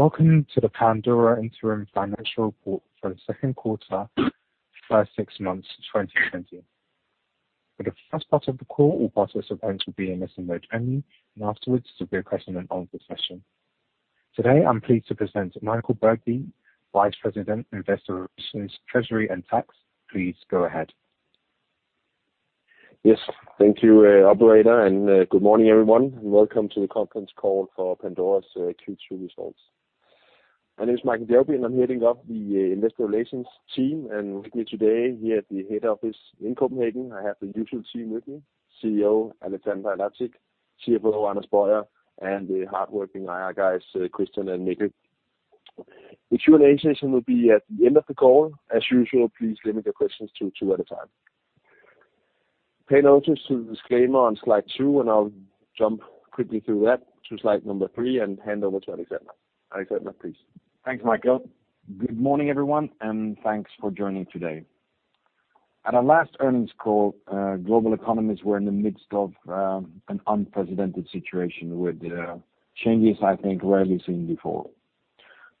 Welcome to the Pandora interim financial report for the second quarter for six months 2020. For the first part of the call, all participants will be in listen mode only, and afterwards there will be a question and answer session. Today, I'm pleased to present Michael Bjergby, Vice President, Investor Relations, Treasury, and Tax. Please go ahead. Yes. Thank you, operator. Good morning, everyone. Welcome to the conference call for Pandora's Q2 results. My name is Michael Bjergby, and I'm heading up the investor relations team. With me today, here at the head office in Copenhagen, I have the usual team with me, CEO Alexander Lacik, CFO Anders Boyer, and the hardworking IR guys, Christian and Johan. The Q&A session will be at the end of the call. As usual, please limit your questions to two at a time. Pay notice to the disclaimer on slide two, and I'll jump quickly through that to slide number three and hand over to Alexander. Alexander, please. Thanks, Michael. Good morning, everyone, and thanks for joining today. At our last earnings call, global economies were in the midst of an unprecedented situation with changes I think rarely seen before.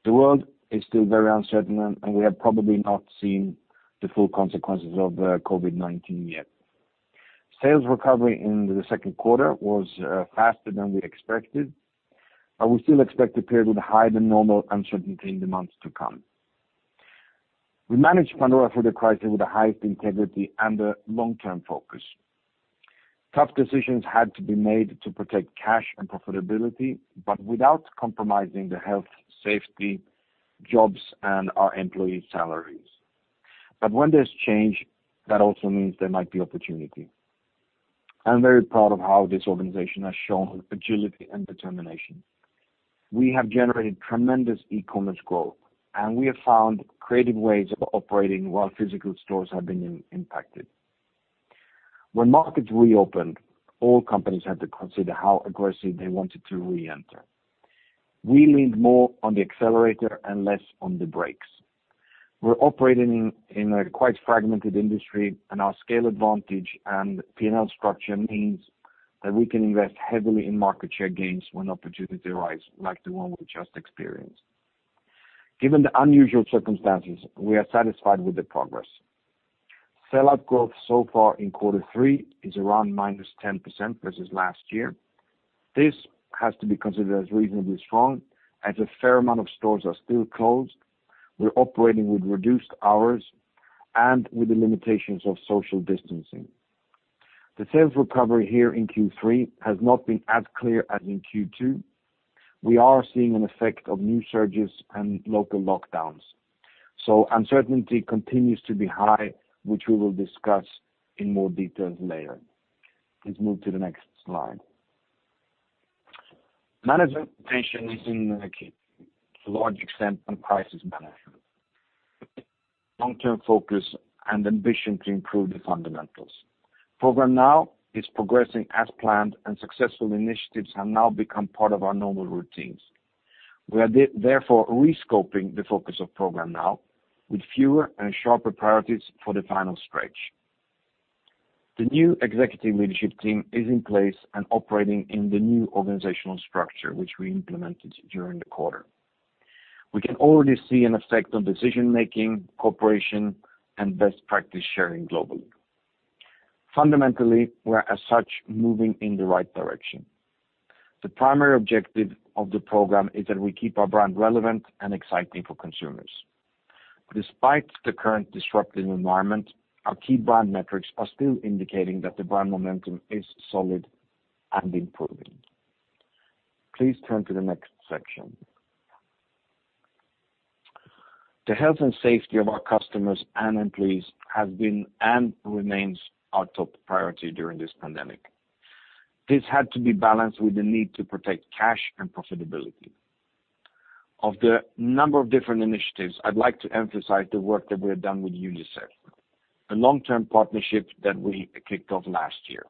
The world is still very uncertain, and we have probably not seen the full consequences of COVID-19 yet. Sales recovery in the second quarter was faster than we expected, but we still expect a period with higher than normal uncertainty in the months to come. We managed Pandora through the crisis with the highest integrity and a long-term focus. Tough decisions had to be made to protect cash and profitability, but without compromising the health, safety, jobs, and our employees' salaries. When there's change, that also means there might be opportunity. I'm very proud of how this organization has shown agility and determination. We have generated tremendous e-commerce growth, and we have found creative ways of operating while physical stores have been impacted. When markets reopened, all companies had to consider how aggressive they wanted to re-enter. We leaned more on the accelerator and less on the brakes. We're operating in a quite fragmented industry, and our scale advantage and P&L structure means that we can invest heavily in market share gains when opportunity arise, like the one we just experienced. Given the unusual circumstances, we are satisfied with the progress. Sell-out growth so far in quarter three is around -10% versus last year. This has to be considered as reasonably strong, as a fair amount of stores are still closed. We're operating with reduced hours and with the limitations of social distancing. The sales recovery here in Q3 has not been as clear as in Q2. We are seeing an effect of new surges and local lockdowns. Uncertainty continues to be high, which we will discuss in more detail later. Let's move to the next slide. Management attention is in a large extent on crisis management, long-term focus, and ambition to improve the fundamentals. Programme NOW is progressing as planned, successful initiatives have now become part of our normal routines. We are therefore re-scoping the focus of Programme NOW with fewer and sharper priorities for the final stretch. The new executive leadership team is in place operating in the new organizational structure which we implemented during the quarter. We can already see an effect on decision-making, cooperation, and best practice sharing globally. Fundamentally, we are as such moving in the right direction. The primary objective of the program is that we keep our brand relevant and exciting for consumers. Despite the current disruptive environment, our key brand metrics are still indicating that the brand momentum is solid and improving. Please turn to the next section. The health and safety of our customers and employees have been, and remains our top priority during this pandemic. This had to be balanced with the need to protect cash and profitability. Of the number of different initiatives, I'd like to emphasize the work that we have done with UNICEF, a long-term partnership that we kicked off last year.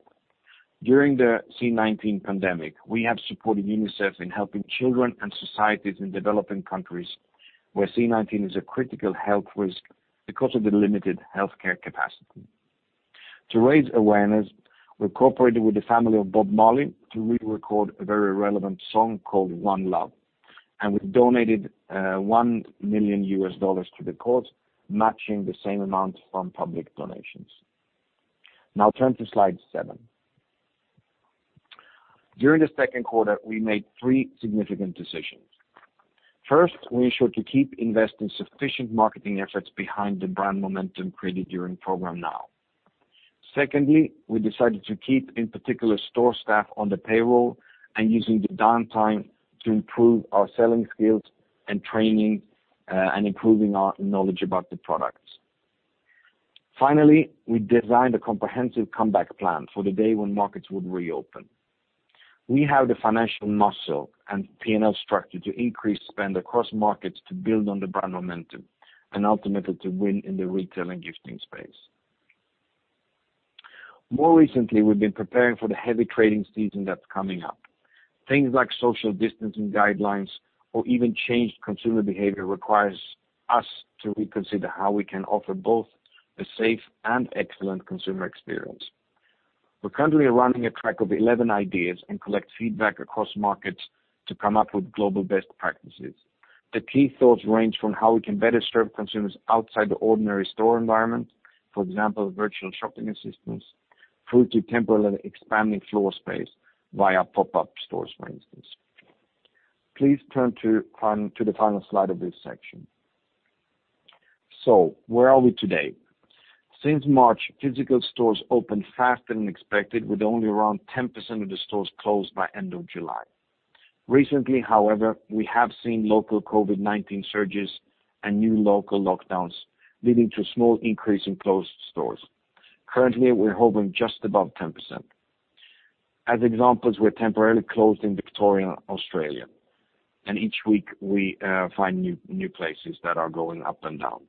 During the C-19 pandemic, we have supported UNICEF in helping children and societies in developing countries where C-19 is a critical health risk because of the limited healthcare capacity. To raise awareness, we cooperated with the family of Bob Marley to re-record a very relevant song called "One Love," and we donated $1 million U.S. to the cause, matching the same amount from public donations. Now turn to slide seven. During the second quarter, we made three significant decisions. First, we ensured to keep investing sufficient marketing efforts behind the brand momentum created during Programme NOW. Secondly, we decided to keep, in particular, store staff on the payroll and using the downtime to improve our selling skills and training and improving our knowledge about the products. Finally, we designed a comprehensive comeback plan for the day when markets would reopen. We have the financial muscle and P&L structure to increase spend across markets to build on the brand momentum and ultimately to win in the retail and gifting space. More recently, we've been preparing for the heavy trading season that's coming up. Things like social distancing guidelines or even changed consumer behavior requires us to reconsider how we can offer both a safe and excellent consumer experience. We're currently running a track of 11 ideas and collect feedback across markets to come up with global best practices. The key thoughts range from how we can better serve consumers outside the ordinary store environment, for example, virtual shopping assistants, through to temporarily expanding floor space via pop-up stores, for instance. Please turn to the final slide of this section. Where are we today? Since March, physical stores opened faster than expected, with only around 10% of the stores closed by end of July. Recently, however, we have seen local COVID-19 surges and new local lockdowns leading to a small increase in closed stores. Currently, we're holding just above 10%. As examples, we're temporarily closed in Victoria, Australia, and each week we find new places that are going up and down.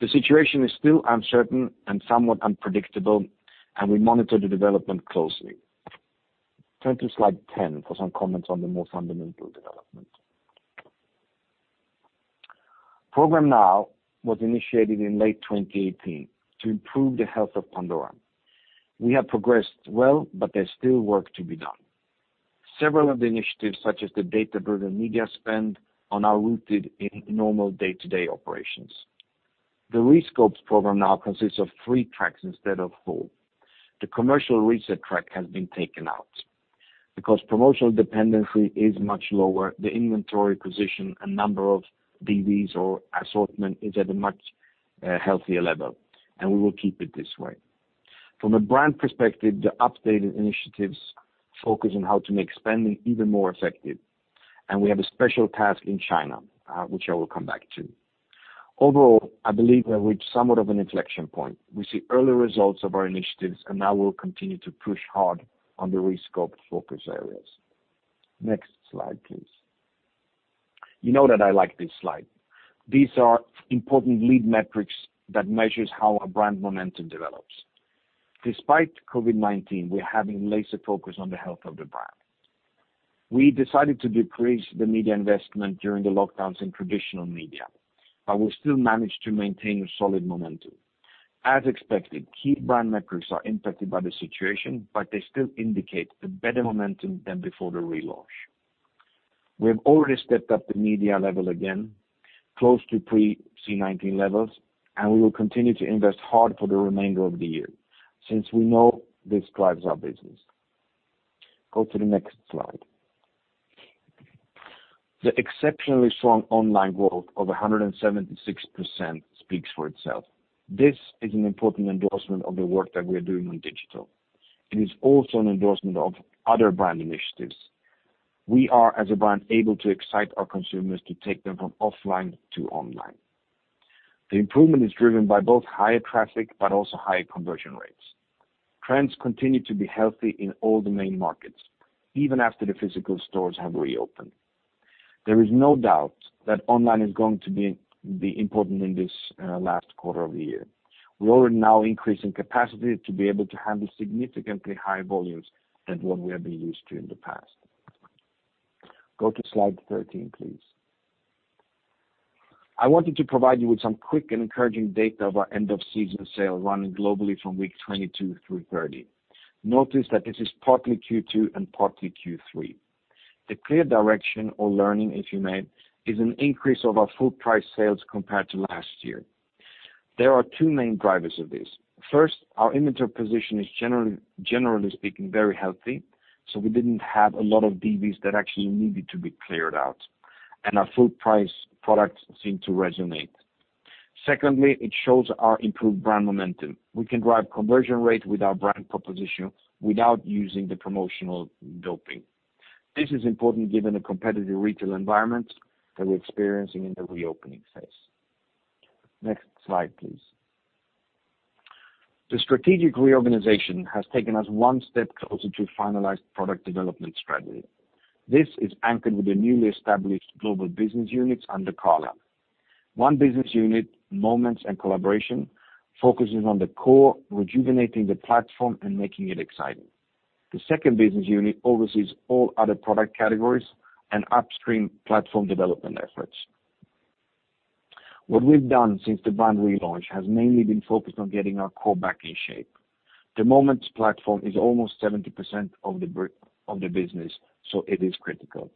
The situation is still uncertain and somewhat unpredictable, and we monitor the development closely. Turn to slide 10 for some comments on the more fundamental development. Programme NOW was initiated in late 2018 to improve the health of Pandora. We have progressed well, but there's still work to be done. Several of the initiatives, such as the data-driven media spend are now rooted in normal day-to-day operations. The rescoped Programme NOW consists of three tracks instead of four. The commercial reset track has been taken out because promotional dependency is much lower, the inventory position and number of DVs or assortment is at a much healthier level, and we will keep it this way. From a brand perspective, the updated initiatives focus on how to make spending even more effective. We have a special task in China, which I will come back to. Overall, I believe we have reached somewhat of an inflection point. We see early results of our initiatives, and now we will continue to push hard on the rescoped focus areas. Next slide, please. You know that I like this slide. These are important lead metrics that measures how our brand momentum develops. Despite COVID-19, we're having laser focus on the health of the brand. We decided to decrease the media investment during the lockdowns in traditional media, but we still managed to maintain a solid momentum. As expected, key brand metrics are impacted by the situation, but they still indicate a better momentum than before the relaunch. We have already stepped up the media level again, close to pre-C-19 levels, and we will continue to invest hard for the remainder of the year since we know this drives our business. Go to the next slide. The exceptionally strong online growth of 176% speaks for itself. This is an important endorsement of the work that we are doing on digital. It is also an endorsement of other brand initiatives. We are, as a brand, able to excite our consumers to take them from offline to online. The improvement is driven by both higher traffic, but also higher conversion rates. Trends continue to be healthy in all the main markets, even after the physical stores have reopened. There is no doubt that online is going to be important in this last quarter of the year. We are now increasing capacity to be able to handle significantly higher volumes than what we have been used to in the past. Go to slide 13, please. I wanted to provide you with some quick and encouraging data of our end of season sale running globally from week 22 through 30. Notice that this is partly Q2 and partly Q3. The clear direction or earning, if you may, is an increase of our full price sales compared to last year. There are two main drivers of this. First, our inventory position is generally speaking, very healthy, so we didn't have a lot of DVs that actually needed to be cleared out, and our full price products seem to resonate. Secondly, it shows our improved brand momentum. We can drive conversion rate with our brand proposition without using the promotional doping. This is important given the competitive retail environment that we're experiencing in the reopening phase. Next slide, please. The strategic reorganization has taken us one step closer to finalized product development strategy. This is anchored with the newly established Global Business Units under Carla. One business unit, Moments and Collaboration, focuses on the core, rejuvenating the platform and making it exciting. The second business unit oversees all other product categories and upstream platform development efforts. What we've done since the brand relaunch has mainly been focused on getting our core back in shape. The Moments platform is almost 70% of the business, so it is critical.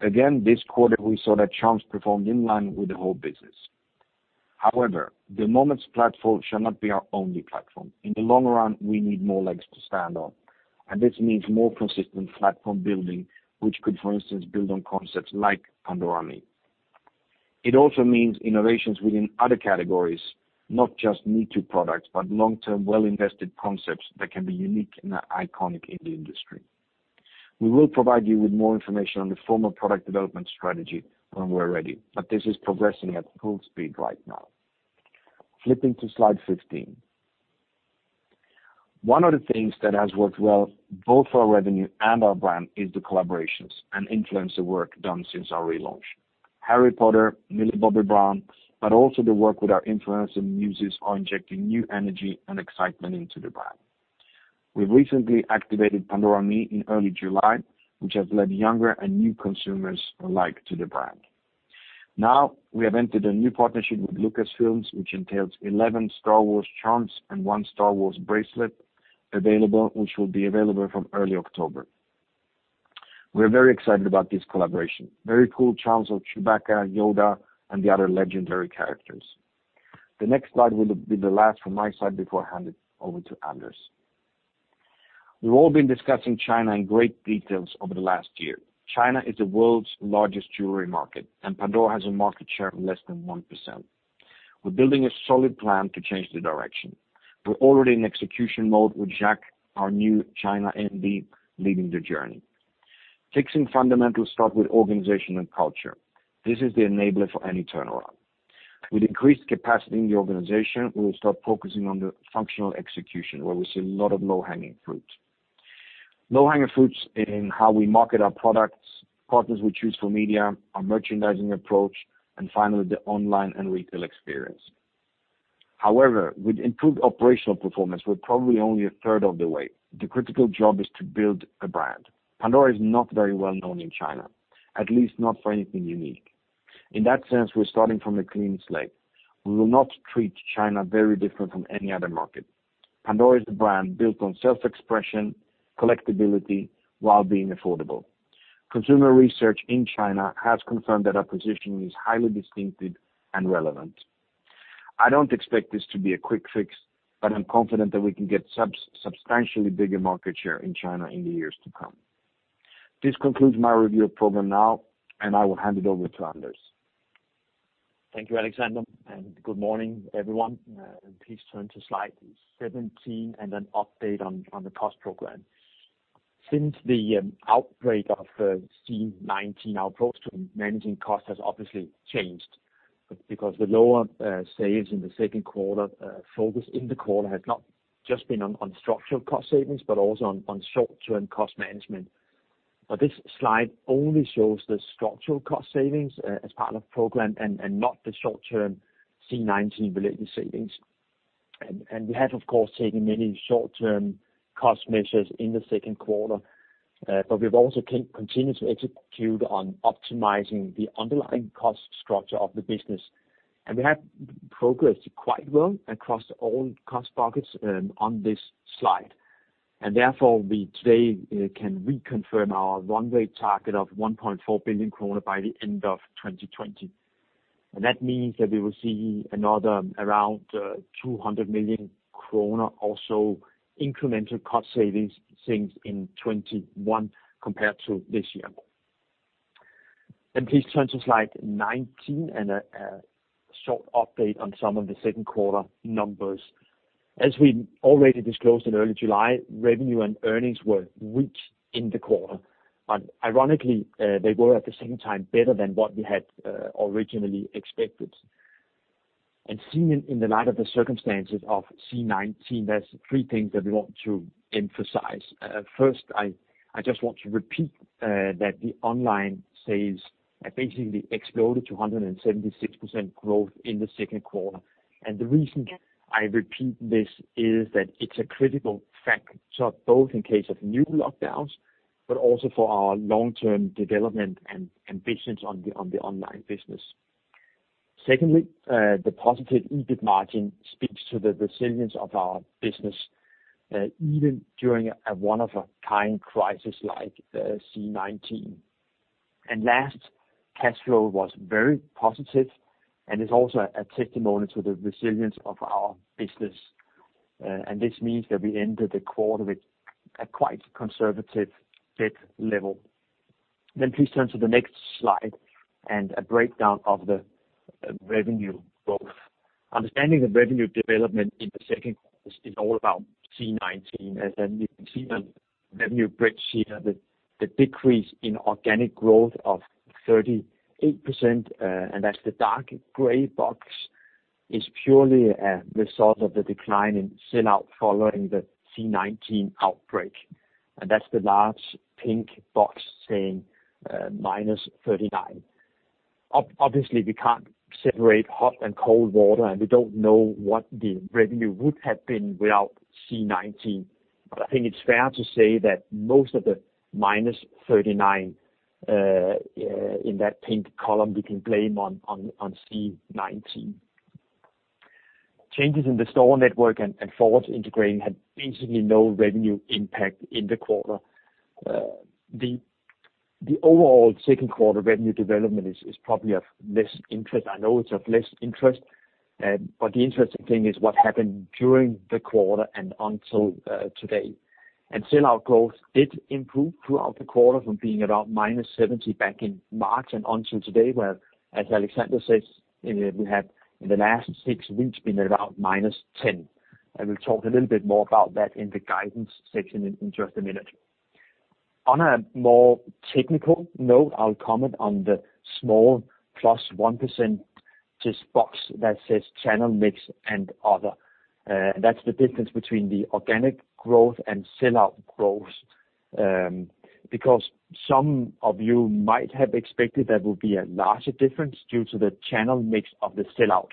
Again, this quarter, we saw that charms performed in line with the whole business. However, the Moments platform shall not be our only platform. In the long run, we need more legs to stand on, and this means more consistent platform building, which could, for instance, build on concepts like Pandora ME. It also means innovations within other categories, not just me-too products, but long-term, well-invested concepts that can be unique and iconic in the industry. We will provide you with more information on the formal product development strategy when we're ready, but this is progressing at full speed right now. Flipping to slide 15. One of the things that has worked well both for our revenue and our brand is the collaborations and influencer work done since our relaunch. Harry Potter, Millie Bobby Brown, but also the work with our influencers and muses are injecting new energy and excitement into the brand. We've recently activated Pandora ME in early July, which has led younger and new consumers alike to the brand. We have entered a new partnership with Lucasfilm, which entails 11 Star Wars charms and one Star Wars bracelet, which will be available from early October. We're very excited about this collaboration. Very cool charms of Chewbacca, Yoda, and the other legendary characters. The next slide will be the last from my side before I hand it over to Anders. We've all been discussing China in great details over the last year. China is the world's largest jewelry market, and Pandora has a market share of less than 1%. We're building a solid plan to change the direction. We're already in execution mode with Jack, our new China MD, leading the journey. Fixing fundamentals start with organization and culture. This is the enabler for any turnaround. With increased capacity in the organization, we will start focusing on the functional execution, where we see a lot of low-hanging fruit. Low-hanging fruits in how we market our products, partners we choose for media, our merchandising approach, and finally, the online and retail experience. However, with improved operational performance, we're probably only a third of the way. The critical job is to build a brand. Pandora is not very well known in China, at least not for anything unique. In that sense, we're starting from a clean slate. We will not treat China very different from any other market. Pandora is the brand built on self-expression, collectibility, while being affordable. Consumer research in China has confirmed that our positioning is highly distinctive and relevant. I don't expect this to be a quick fix, but I'm confident that we can get substantially bigger market share in China in the years to come. This concludes my review Programme NOW, and I will hand it over to Anders. Thank you, Alexander, and good morning, everyone. Please turn to slide 17 and an update on the cost program. Since the outbreak of C-19, our approach to managing costs has obviously changed because the lower sales in the second quarter focus in the quarter has not just been on structural cost savings, but also on short-term cost management. This slide only shows the structural cost savings as part of the program and not the short-term C-19 related savings. We have, of course, taken many short-term cost measures in the second quarter, we've also continued to execute on optimizing the underlying cost structure of the business. We have progressed quite well across all cost pockets on this slide. Therefore, we today can reconfirm our runway target of 1.4 billion kroner by the end of 2020. That means that we will see another around 200 million kroner also incremental cost savings things in 2021 compared to this year. Please turn to slide 19 and a short update on some of the second quarter numbers. As we already disclosed in early July, revenue and earnings were weak in the quarter, ironically, they were at the same time better than what we had originally expected. Seen in the light of the circumstances of C-19, there's three things that we want to emphasize. First, I just want to repeat that the online sales basically exploded to 176% growth in the second quarter. The reason I repeat this is that it's a critical fact, both in case of new lockdowns, but also for our long-term development and ambitions on the online business. Secondly, the positive EBIT margin speaks to the resilience of our business, even during a one of a kind crisis like C-19. Last, cash flow was very positive and is also a testimony to the resilience of our business. This means that we ended the quarter with a quite conservative debt level. Please turn to the next slide and a breakdown of the revenue growth. Understanding the revenue development in the second quarter is all about C-19. You can see on the revenue bridge here that the decrease in organic growth of 38%, and that's the dark gray box, is purely a result of the decline in sell out following the C-19 outbreak. That's the large pink box saying -39%. Obviously, we can't separate hot and cold water, and we don't know what the revenue would have been without C-19. I think it's fair to say that most of the -39% in that pink column we can blame on C-19. Changes in the store network and forwards integrating had basically no revenue impact in the quarter. The overall second quarter revenue development is probably of less interest. I know it's of less interest, the interesting thing is what happened during the quarter and until today. Sell out growth did improve throughout the quarter from being around -70% back in March and until today, where, as Alexander says, we have in the last six weeks been around -10%. We'll talk a little bit more about that in the guidance section in just a minute. On a more technical note, I'll comment on the small +1% this box that says channel mix and other. That's the difference between the organic growth and sell-out growth. Because some of you might have expected there will be a larger difference due to the channel mix of the sell-out.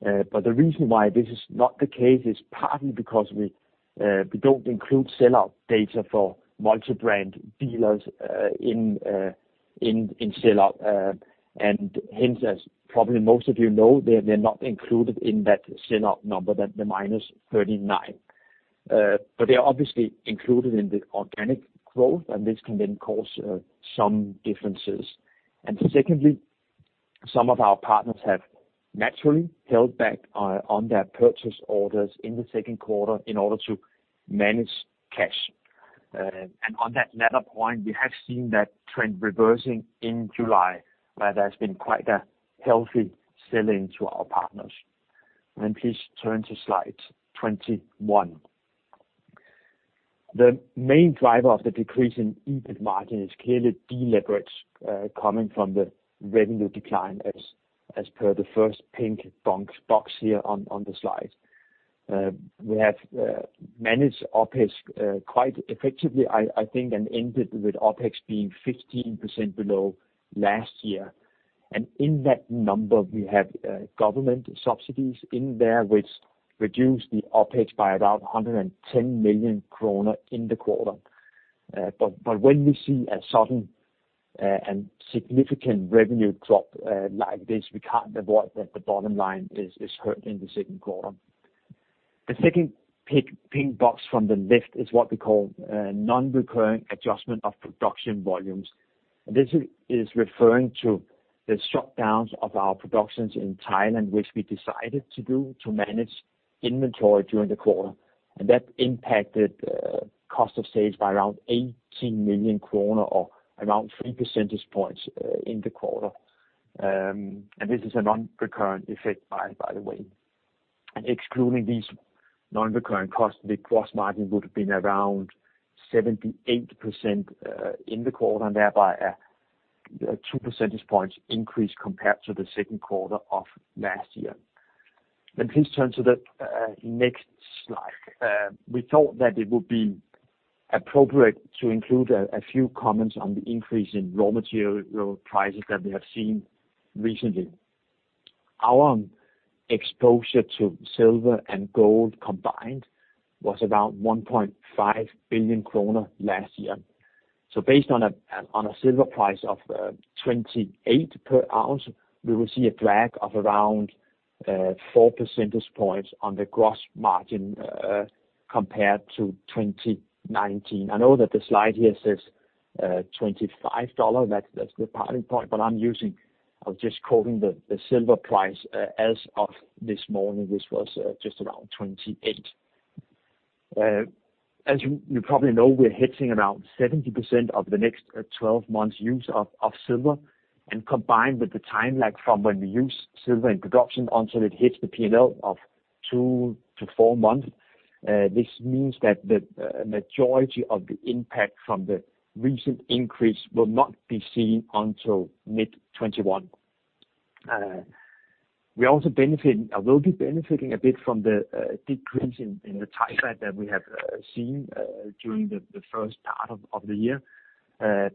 The reason why this is not the case is partly because we don't include sell-out data for multi-brand dealers in sell-out. Hence, as probably most of you know, they're not included in that sell-out number, that the -39%. They are obviously included in the organic growth, and this can then cause some differences. Secondly, some of our partners have naturally held back on their purchase orders in the second quarter in order to manage cash. On that latter point, we have seen that trend reversing in July, where there's been quite a healthy selling to our partners. Please turn to slide 21. The main driver of the decrease in EBIT margin is clearly deleverage coming from the revenue decline, as per the first pink box here on the slide. We have managed OpEx quite effectively, I think, and ended with OpEx being 15% below last year. In that number, we have government subsidies in there, which reduce the OpEx by about 110 million kroner in the quarter. When we see a sudden and significant revenue drop like this, we can't avoid that the bottom line is hurt in the second quarter. The second pink box from the left is what we call non-recurring adjustment of production volumes. This is referring to the shutdowns of our productions in Thailand, which we decided to do to manage inventory during the quarter. That impacted cost of sales by around 18 million kroner or around 3 percentage points in the quarter. This is a non-recurring effect, by the way. Excluding these non-recurring costs, the gross margin would have been around 78% in the quarter, and thereby a 2 percentage points increase compared to the second quarter of last year. Please turn to the next slide. We thought that it would be appropriate to include a few comments on the increase in raw material prices that we have seen recently. Our exposure to silver and gold combined was about 1.5 billion kroner last year. Based on a silver price of $28 per ounce, we will see a drag of around 4 percentage points on the gross margin compared to 2019. I know that the slide here says $25. That is the parting point, but I am just quoting the silver price as of this morning, which was just around $28. As you probably know, we're hitting around 70% of the next 12 months use of silver, and combined with the time from when we use silver in production until it hits the P&L of two to four months. This means that the majority of the impact from the recent increase will not be seen until mid 2021. We will be benefiting a bit from the decrease in the Thai baht that we have seen during the first part of the year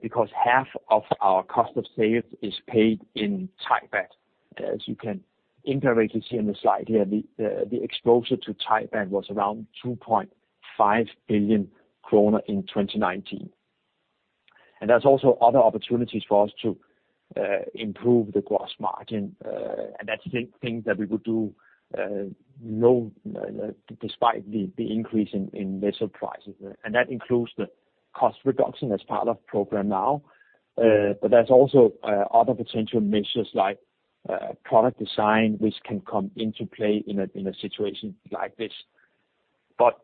because half of our cost of sales is paid in Thai baht. As you can indirectly see on the slide here, the exposure to Thai baht was around 2.5 billion kroner in 2019. There's also other opportunities for us to improve the gross margin, and that's things that we would do despite the increase in metal prices. That includes the cost reduction as part of Programme NOW, there's also other potential measures like product design, which can come into play in a situation like this.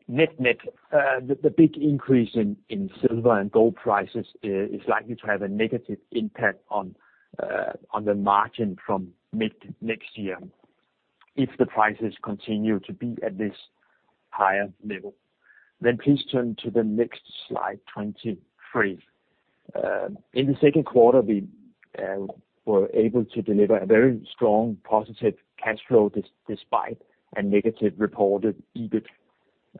Net-net, the big increase in silver and gold prices is likely to have a negative impact on the margin from mid next year if the prices continue to be at this higher level. Please turn to the next slide, 23. In the second quarter, we were able to deliver a very strong positive cash flow despite a negative reported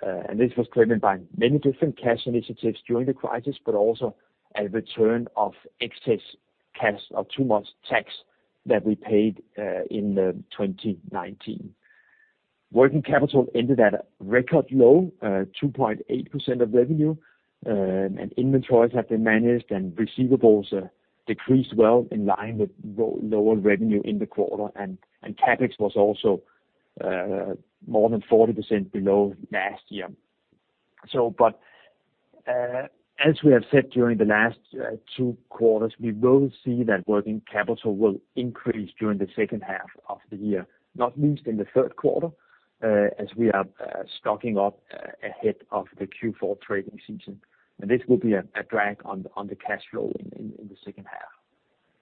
EBIT. This was driven by many different cash initiatives during the crisis, also a return of excess cash of two months' tax that we paid in 2019. Working capital ended at a record low, 2.8% of revenue, inventories have been managed, receivables decreased well in line with lower revenue in the quarter. CapEx was also more than 40% below last year. As we have said during the last two quarters, we will see that working capital will increase during the second half of the year, not least in the third quarter, as we are stocking up ahead of the Q4 trading season. This will be a drag on the cash flow in the second half.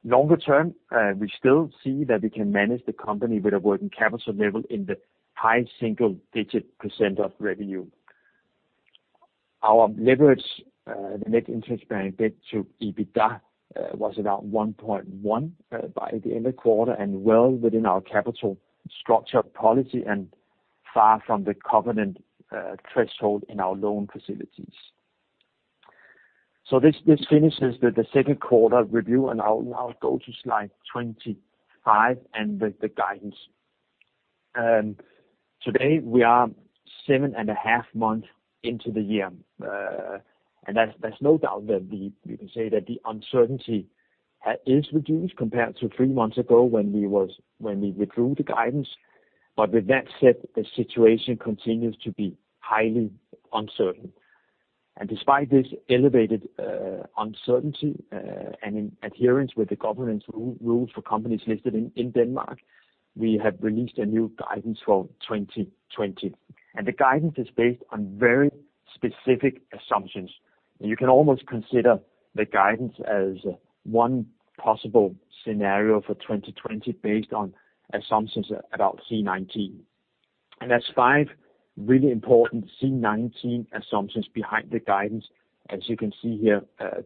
Longer term, we still see that we can manage the company with a working capital level in the high single digit percent of revenue. Our leverage, the net interest bearing debt to EBITDA, was about 1.1 by the end of the quarter and well within our capital structure policy and far from the covenant threshold in our loan facilities. This finishes the second quarter review, and I'll now go to slide 25 and the guidance. Today, we are seven and a half months into the year. There's no doubt that we can say that the uncertainty is reduced compared to three months ago, when we withdrew the guidance. With that said, the situation continues to be highly uncertain. Despite this elevated uncertainty, and in adherence with the governance rules for companies listed in Denmark, we have released a new guidance for 2020. The guidance is based on very specific assumptions. You can almost consider the guidance as one possible scenario for 2020, based on assumptions about C-19. There's five really important C-19 assumptions behind the guidance, as you can see here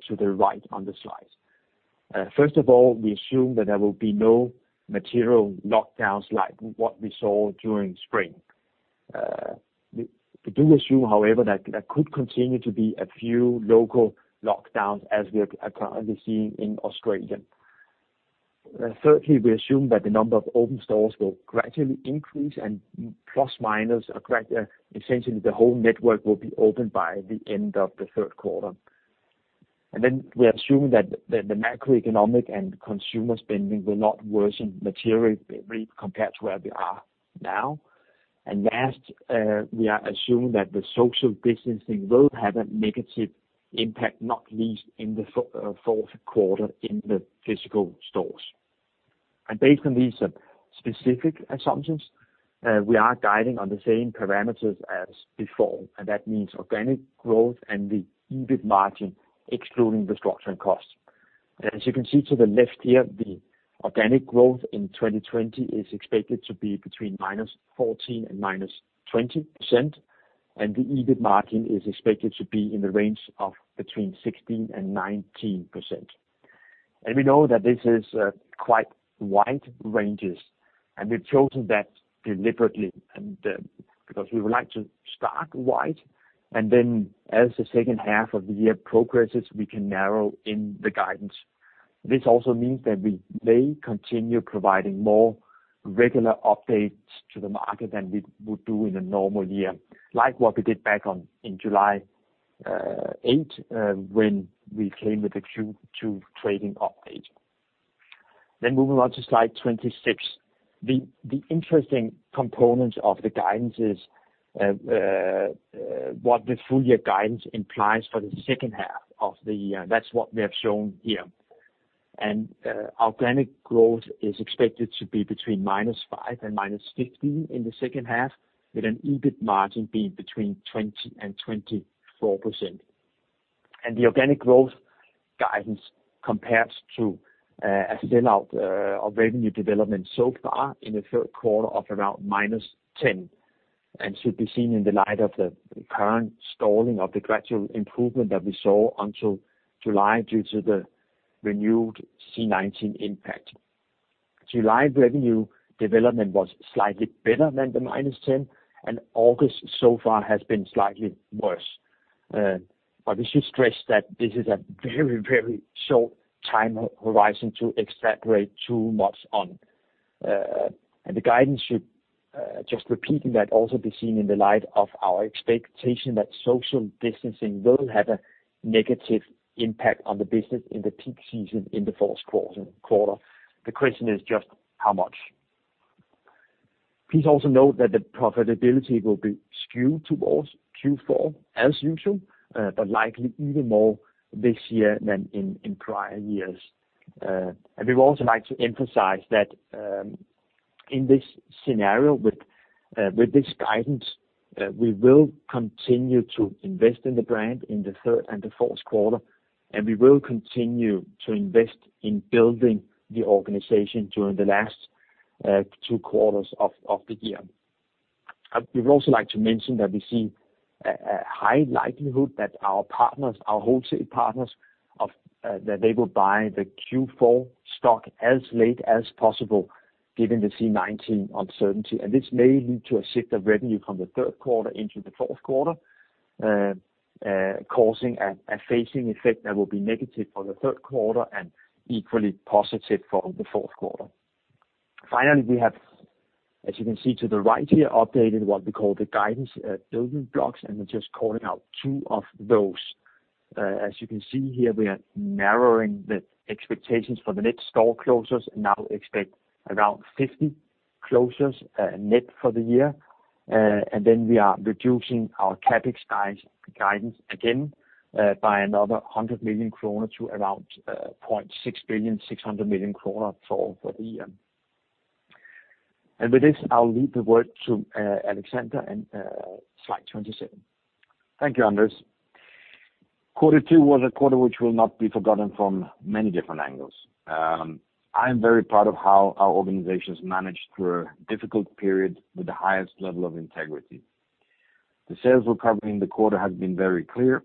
to the right on the slide. First of all, we assume that there will be no material lockdowns like what we saw during spring. We do assume, however, that there could continue to be a few local lockdowns as we are currently seeing in Australia. Thirdly, we assume that the number of open stores will gradually increase and plus minus, essentially the whole network will be open by the end of the third quarter. Then we are assuming that the macroeconomic and consumer spending will not worsen materially compared to where we are now. Last, we are assuming that the social distancing will have a negative impact, not least in the fourth quarter in the physical stores. Based on these specific assumptions, we are guiding on the same parameters as before, and that means organic growth and the EBIT margin, excluding the structuring costs. As you can see to the left here, the organic growth in 2020 is expected to be between -14% and -20%, and the EBIT margin is expected to be in the range of between 16% and 19%. We know that this is quite wide ranges, and we've chosen that deliberately because we would like to start wide, and then as the second half of the year progresses, we can narrow in the guidance. This also means that we may continue providing more regular updates to the market than we would do in a normal year, like what we did back in July 8th, when we came with a Q2 trading update. Moving on to slide 26. The interesting component of the guidance is what the full year guidance implies for the second half of the year. That's what we have shown here. Organic growth is expected to be between -5% and -15% in the second half, with an EBIT margin being between 20% and 24%. The organic growth guidance compares to a sellout of revenue development so far in the third quarter of around -10%, and should be seen in the light of the current stalling of the gradual improvement that we saw until July, due to the renewed C-19 impact. July revenue development was slightly better than the -10%, and August so far has been slightly worse. We should stress that this is a very, very short time horizon to extrapolate too much on. The guidance should, just repeating that, also be seen in the light of our expectation that social distancing will have a negative impact on the business in the peak season in the fourth quarter. The question is just how much. Please also note that the profitability will be skewed towards Q4 as usual, but likely even more this year than in prior years. We would also like to emphasize that in this scenario, with this guidance, we will continue to invest in the brand in the third and the fourth quarter, and we will continue to invest in building the organization during the last two quarters of the year. We would also like to mention that we see a high likelihood that our partners, our wholesale partners, that they will buy the Q4 stock as late as possible, given the C-19 uncertainty. This may lead to a shift of revenue from the third quarter into the fourth quarter, causing a phasing effect that will be negative for the third quarter and equally positive for the fourth quarter. Finally, we have, as you can see to the right here, updated what we call the guidance building blocks, and we're just calling out two of those. As you can see here, we are narrowing the expectations for the net store closures and now expect around 50 closures net for the year. Then we are reducing our CapEx guidance again by another 100 million kroner to around 0.6 billion, 600 million kroner for the year. With this, I'll leave the word to Alexander, and slide 27. Thank you, Anders. Quarter two was a quarter which will not be forgotten from many different angles. I am very proud of how our organizations managed through a difficult period with the highest level of integrity. The sales recovery in the quarter has been very clear.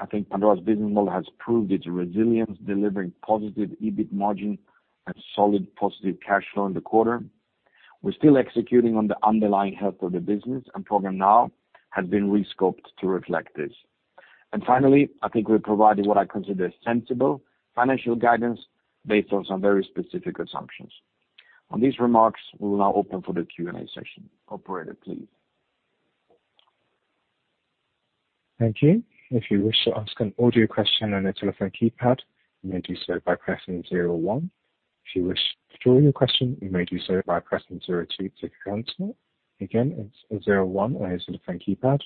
I think Pandora's business model has proved its resilience, delivering positive EBIT margin and solid positive cash flow in the quarter. We're still executing on the underlying health of the business, Programme NOW has been re-scoped to reflect this. Finally, I think we're providing what I consider sensible financial guidance based on some very specific assumptions. On these remarks, we'll now open for the Q&A session. Operator, please. Thank you. If you wish to ask an audio question on a telephone keypad, you may do so by pressing zero one. If you wish to withdraw your question, you may do so by pressing zero two to cancel. Again, it's zero one on your telephone keypad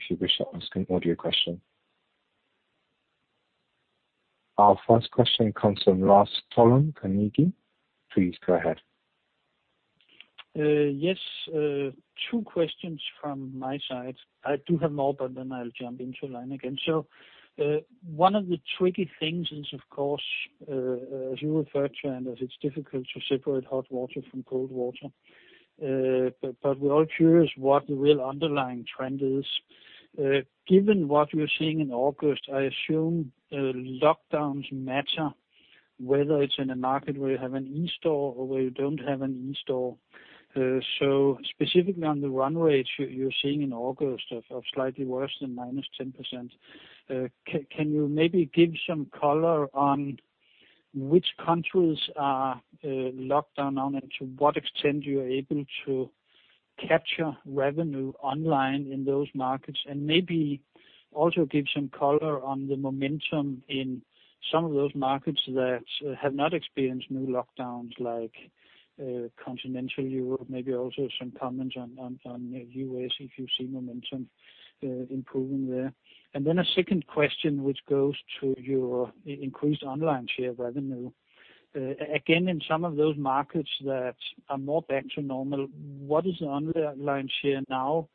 if you wish to ask an audio question. Our first question comes from Lars Topholm, Carnegie. Please go ahead. Yes. Two questions from my side. I do have more, but then I'll jump into line again. One of the tricky things is, of course, as you referred to, Anders, it's difficult to separate hot water from cold water. We're all curious what the real underlying trend is. Given what we're seeing in August, I assume lockdowns matter whether it's in a market where you have an in-store or where you don't have an in-store. Specifically on the run rate you're seeing in August of slightly worse than -10%, can you maybe give some color on which countries are locked down now and to what extent you're able to capture revenue online in those markets? Maybe also give some color on the momentum in some of those markets that have not experienced new lockdowns like Continental Europe, maybe also some comments on U.S. if you see momentum improving there. Then a second question, which goes to your increased online share revenue. Again, in some of those markets that are more back to normal, what is the online share now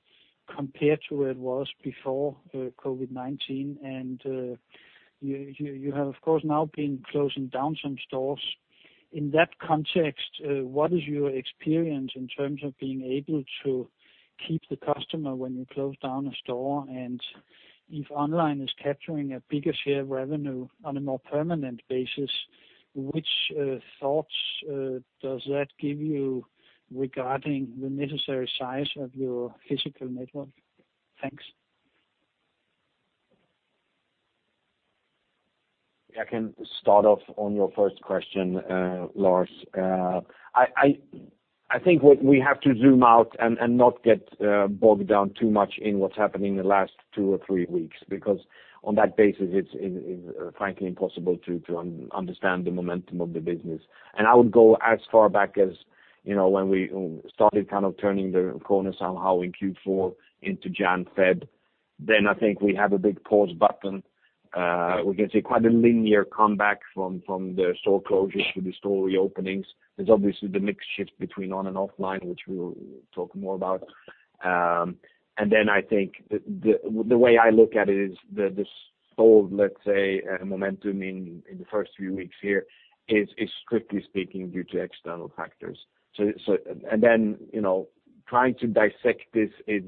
compared to where it was before COVID-19? You have, of course, now been closing down some stores. In that context, what is your experience in terms of being able to keep the customer when you close down a store? If online is capturing a bigger share of revenue on a more permanent basis, which thoughts does that give you regarding the necessary size of your physical network? Thanks. I can start off on your first question, Lars. I think what we have to zoom out and not get bogged down too much in what's happening in the last two or three weeks, because on that basis, it's frankly impossible to understand the momentum of the business. I would go as far back as when we started kind of turning the corner somehow in Q4 into January, February. I think we had a big pause button. We can see quite a linear comeback from the store closures to the store reopenings. There's obviously the mix shift between on and offline, which we'll talk more about. The way I look at it is the stalled, let's say, momentum in the first few weeks here is strictly speaking due to external factors. Then trying to dissect this is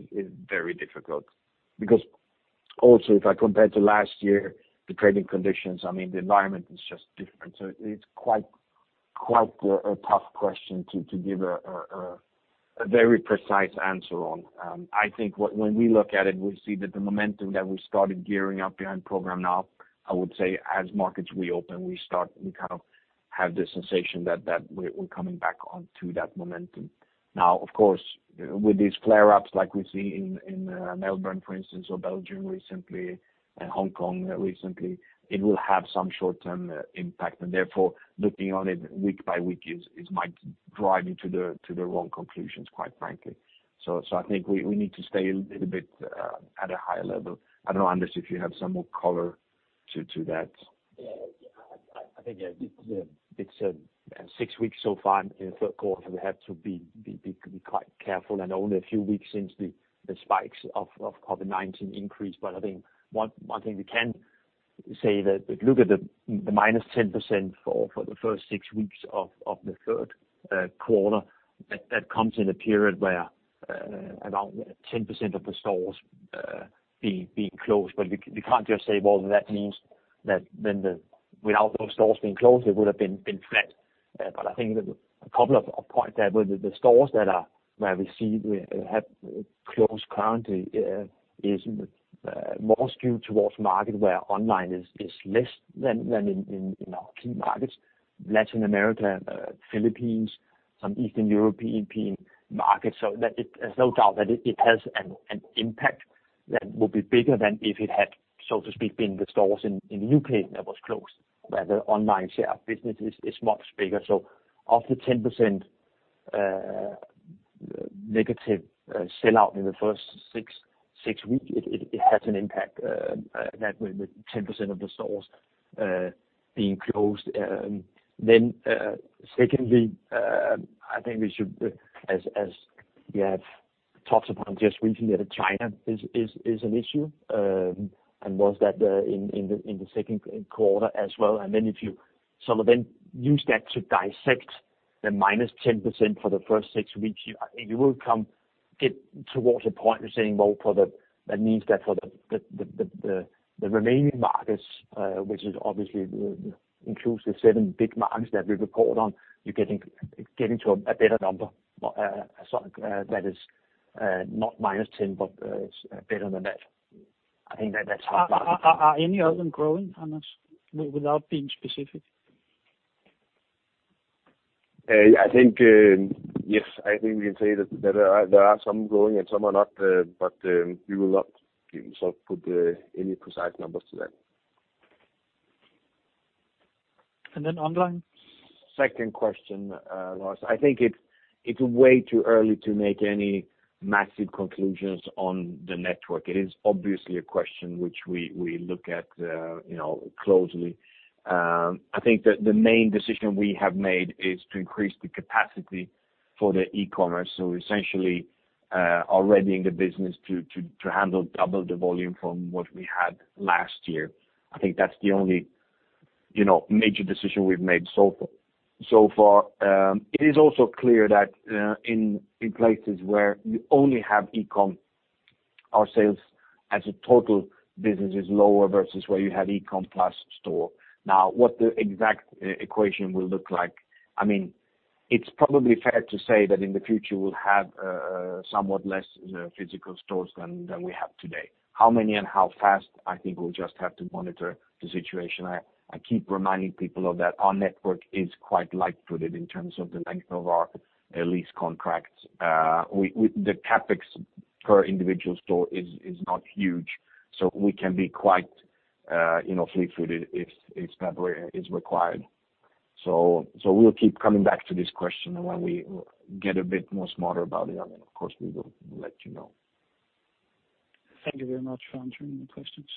very difficult because also if I compare to last year, the trading conditions, I mean, the environment is just different. It's quite a tough question to give a very precise answer on. I think when we look at it, we see that the momentum that we started gearing up behind Programme NOW, I would say as markets reopen, we kind of have the sensation that we're coming back on to that momentum. Of course, with these flare-ups like we see in Melbourne, for instance, or Belgium recently, and Hong Kong recently, it will have some short-term impact, and therefore, looking on it week by week might drive you to the wrong conclusions, quite frankly. I think we need to stay a little bit at a higher level. I don't know, Anders, if you have some more color to that. Yeah. I think it's six weeks so far in the third quarter, we have to be quite careful and only a few weeks since the spikes of COVID-19 increased. I think one thing we can say that if you look at the -10% for the first six weeks of the third quarter, that comes in a period where around 10% of the stores being closed. We can't just say, well, that means that without those stores being closed, it would have been flat. I think a couple of points there where the stores that are where we see have closed currently is more skewed towards market where online is less than in our key markets, Latin America, Philippines, some Eastern European markets. There's no doubt that it has an impact that will be bigger than if it had, so to speak, been the stores in the U.K. that was closed, where the online share of business is much bigger. Of the 10% negative sell-out in the first six weeks, it has an impact that with 10% of the stores being closed. Secondly, I think we should, as we have talked upon just recently, that China is an issue, and was that in the second quarter as well. If you sort of then use that to dissect the -10% for the first six weeks, you will get towards a point you're saying, well, that means that for the remaining markets, which is obviously includes the seven big markets that we report on, you're getting to a better number that is not -10%, but is better than that. I think that's how. Are any of them growing, Anders? Without being specific. I think yes. I think we can say that there are some growing and some are not, but we will not put any precise numbers to that. Online? Second question, Lars. I think it's way too early to make any massive conclusions on the network. It is obviously a question which we look at closely. I think that the main decision we have made is to increase the capacity for the e-commerce. Essentially, already in the business to handle double the volume from what we had last year. I think that's the only major decision we've made so far. It is also clear that in places where we only have e-com, our sales as a total business is lower versus where you have e-com plus store. What the exact equation will look like, it's probably fair to say that in the future we'll have somewhat less physical stores than we have today. How many and how fast, I think we'll just have to monitor the situation. I keep reminding people of that our network is quite light-footed in terms of the length of our lease contracts. The CapEx per individual store is not huge, so we can be quite fleet-footed if that is required. We'll keep coming back to this question when we get a bit more smarter about it, and of course, we will let you know. Thank you very much for answering the questions.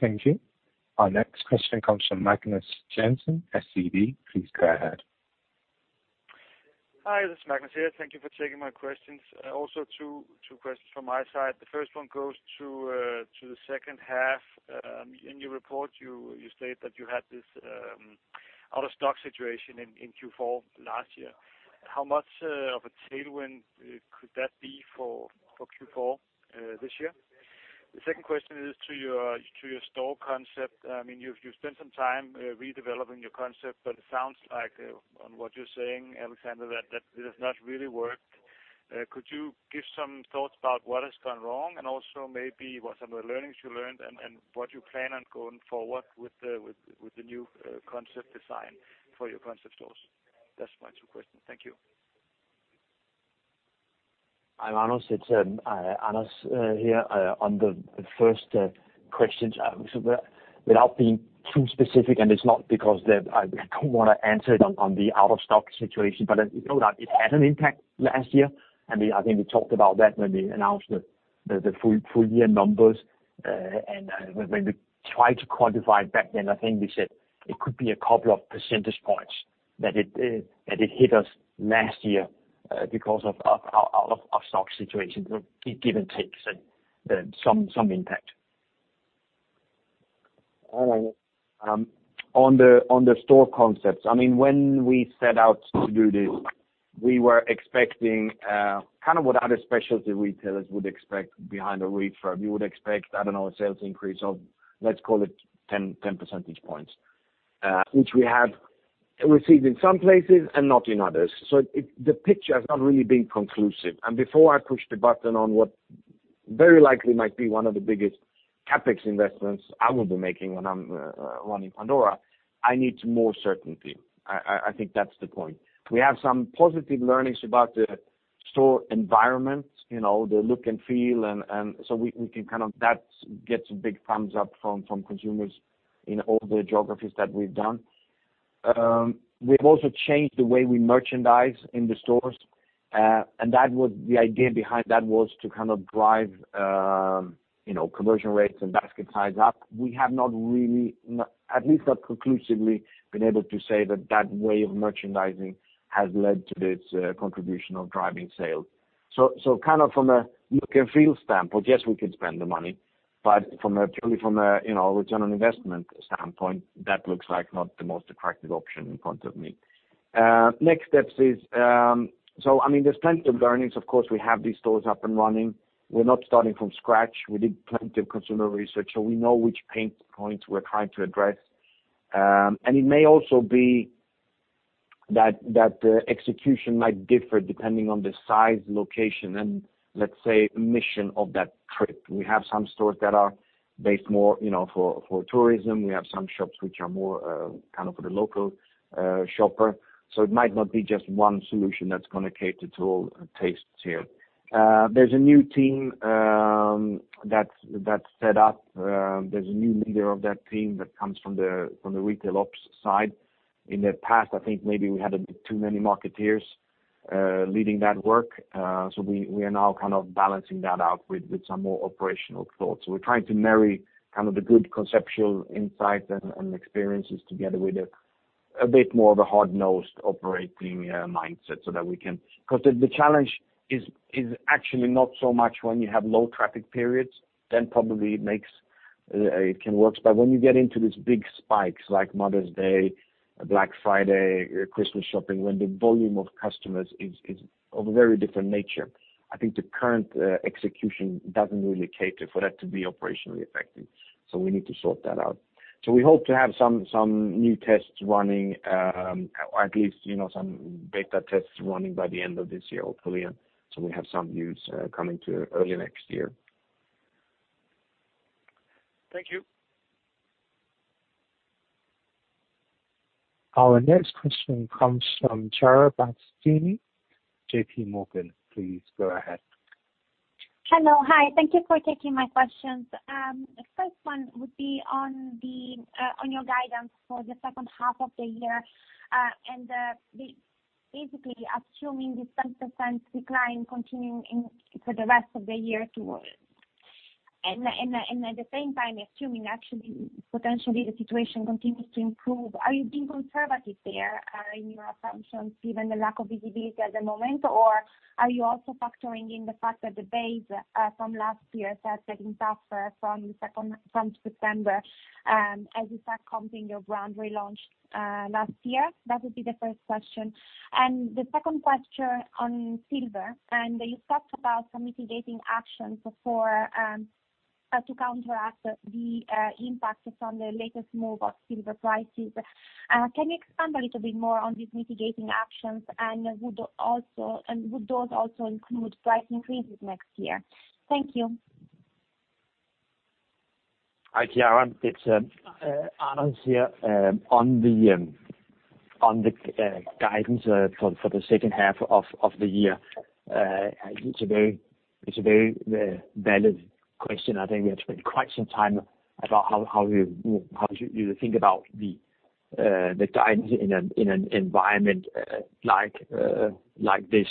Thank you. Our next question comes from Magnus Jensen, SEB. Please go ahead. Hi, this is Magnus here. Thank you for taking my questions. Two questions from my side. The first one goes to the second half. In your report, you state that you had this out-of-stock situation in Q4 last year. How much of a tailwind could that be for Q4 this year? The second question is to your store concept. You've spent some time redeveloping your concept, but it sounds like on what you're saying, Alexander, that it has not really worked. Could you give some thoughts about what has gone wrong and also maybe what are some of the learnings you learned and what you plan on going forward with the new concept design for your concept stores? That's my two questions. Thank you. I'm Anders. It's Anders here. On the first questions, without being too specific, and it's not because I don't want to answer it on the out-of-stock situation, but you know that it had an impact last year. I think we talked about that when we announced the full year numbers. When we tried to quantify it back then, I think we said it could be a couple of percentage points that it hit us last year because of out-of-stock situations. It give and takes some impact. On the store concepts, when we set out to do this, we were expecting kind of what other specialty retailers would expect behind a refurb. You would expect, I don't know, a sales increase of, let's call it 10 percentage points, which we have received in some places and not in others. The picture has not really been conclusive. Before I push the button on what very likely might be one of the biggest CapEx investments I will be making when I'm running Pandora, I need more certainty. I think that's the point. We have some positive learnings about the store environment, the look and feel, and so that gets a big thumbs up from consumers in all the geographies that we've done. We have also changed the way we merchandise in the stores, the idea behind that was to kind of drive conversion rates and basket size up. We have not really, at least not conclusively, been able to say that that way of merchandising has led to this contribution of driving sales. Kind of from a look and feel standpoint, yes, we could spend the money, but purely from a ROI standpoint, that looks like not the most attractive option in front of me. Next steps is, there's plenty of learnings. Of course, we have these stores up and running. We're not starting from scratch. We did plenty of consumer research, we know which pain points we're trying to address. It may also be that the execution might differ depending on the size, location, and let's say, mission of that trip. We have some stores that are based more for tourism. We have some shops which are more kind of for the local shopper. It might not be just one solution that's going to cater to all tastes here. There's a new team that's set up. There's a new leader of that team that comes from the retail ops side. In the past, I think maybe we had a bit too many marketeers leading that work. We are now kind of balancing that out with some more operational thoughts. We're trying to marry kind of the good conceptual insights and experiences together with a bit more of a hard-nosed operating mindset so that we. Because the challenge is actually not so much when you have low traffic periods, then probably it makes It can work. When you get into these big spikes like Mother's Day, Black Friday, Christmas shopping, when the volume of customers is of a very different nature, I think the current execution doesn't really cater for that to be operationally effective. We need to sort that out. We hope to have some new tests running, or at least some beta tests running by the end of this year, hopefully. We have some news coming early next year. Thank you. Our next question comes from Chiara Battistini, JPMorgan. Please go ahead. Hello. Hi, thank you for taking my questions. The first one would be on your guidance for the second half of the year. Basically assuming this 10% decline continuing for the rest of the year too, at the same time assuming actually, potentially the situation continues to improve. Are you being conservative there in your assumptions, given the lack of visibility at the moment? Or are you also factoring in the fact that the base from last year starts getting tougher from September, as you start counting your brand relaunch last year? That would be the first question. The second question on silver, you talked about some mitigating actions to counteract the impact from the latest move of silver prices. Can you expand a little bit more on these mitigating actions, and would those also include price increases next year? Thank you. Hi, Chiara, it's Anders here. The guidance for the second half of the year, it's a very valid question. I think we had spent quite some time about how you think about the guidance in an environment like this.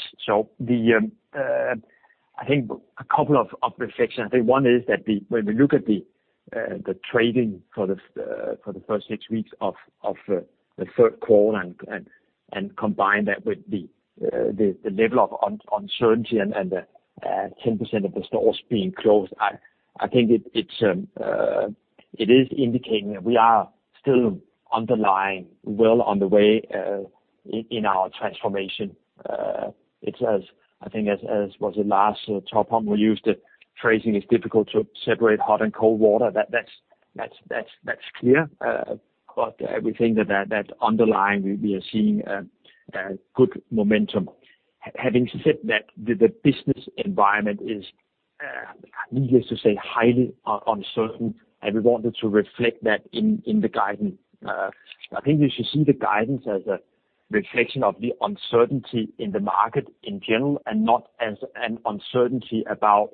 I think a couple of reflections. I think one is that when we look at the trading for the first six weeks of the third quarter and combine that with the level of uncertainty and the 10% of the stores being closed, I think it is indicating that we are still underlying well on the way in our transformation. I think as was Lars Topholm we used, the tracing is difficult to separate hot and cold water. That's clear. We think that underlying, we are seeing good momentum. Having said that, the business environment is, needless to say, highly uncertain, and I wanted to reflect that in the guidance. I think you should see the guidance as a reflection of the uncertainty in the market in general, and not as an uncertainty about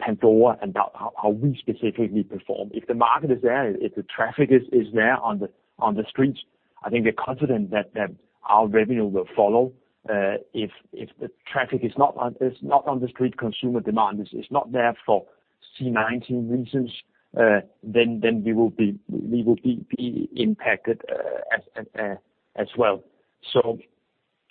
Pandora and how we specifically perform. If the market is there, if the traffic is there on the streets, I think we're confident that our revenue will follow. If the traffic is not on the street, consumer demand is not there for C-19 reasons, then we will be impacted as well.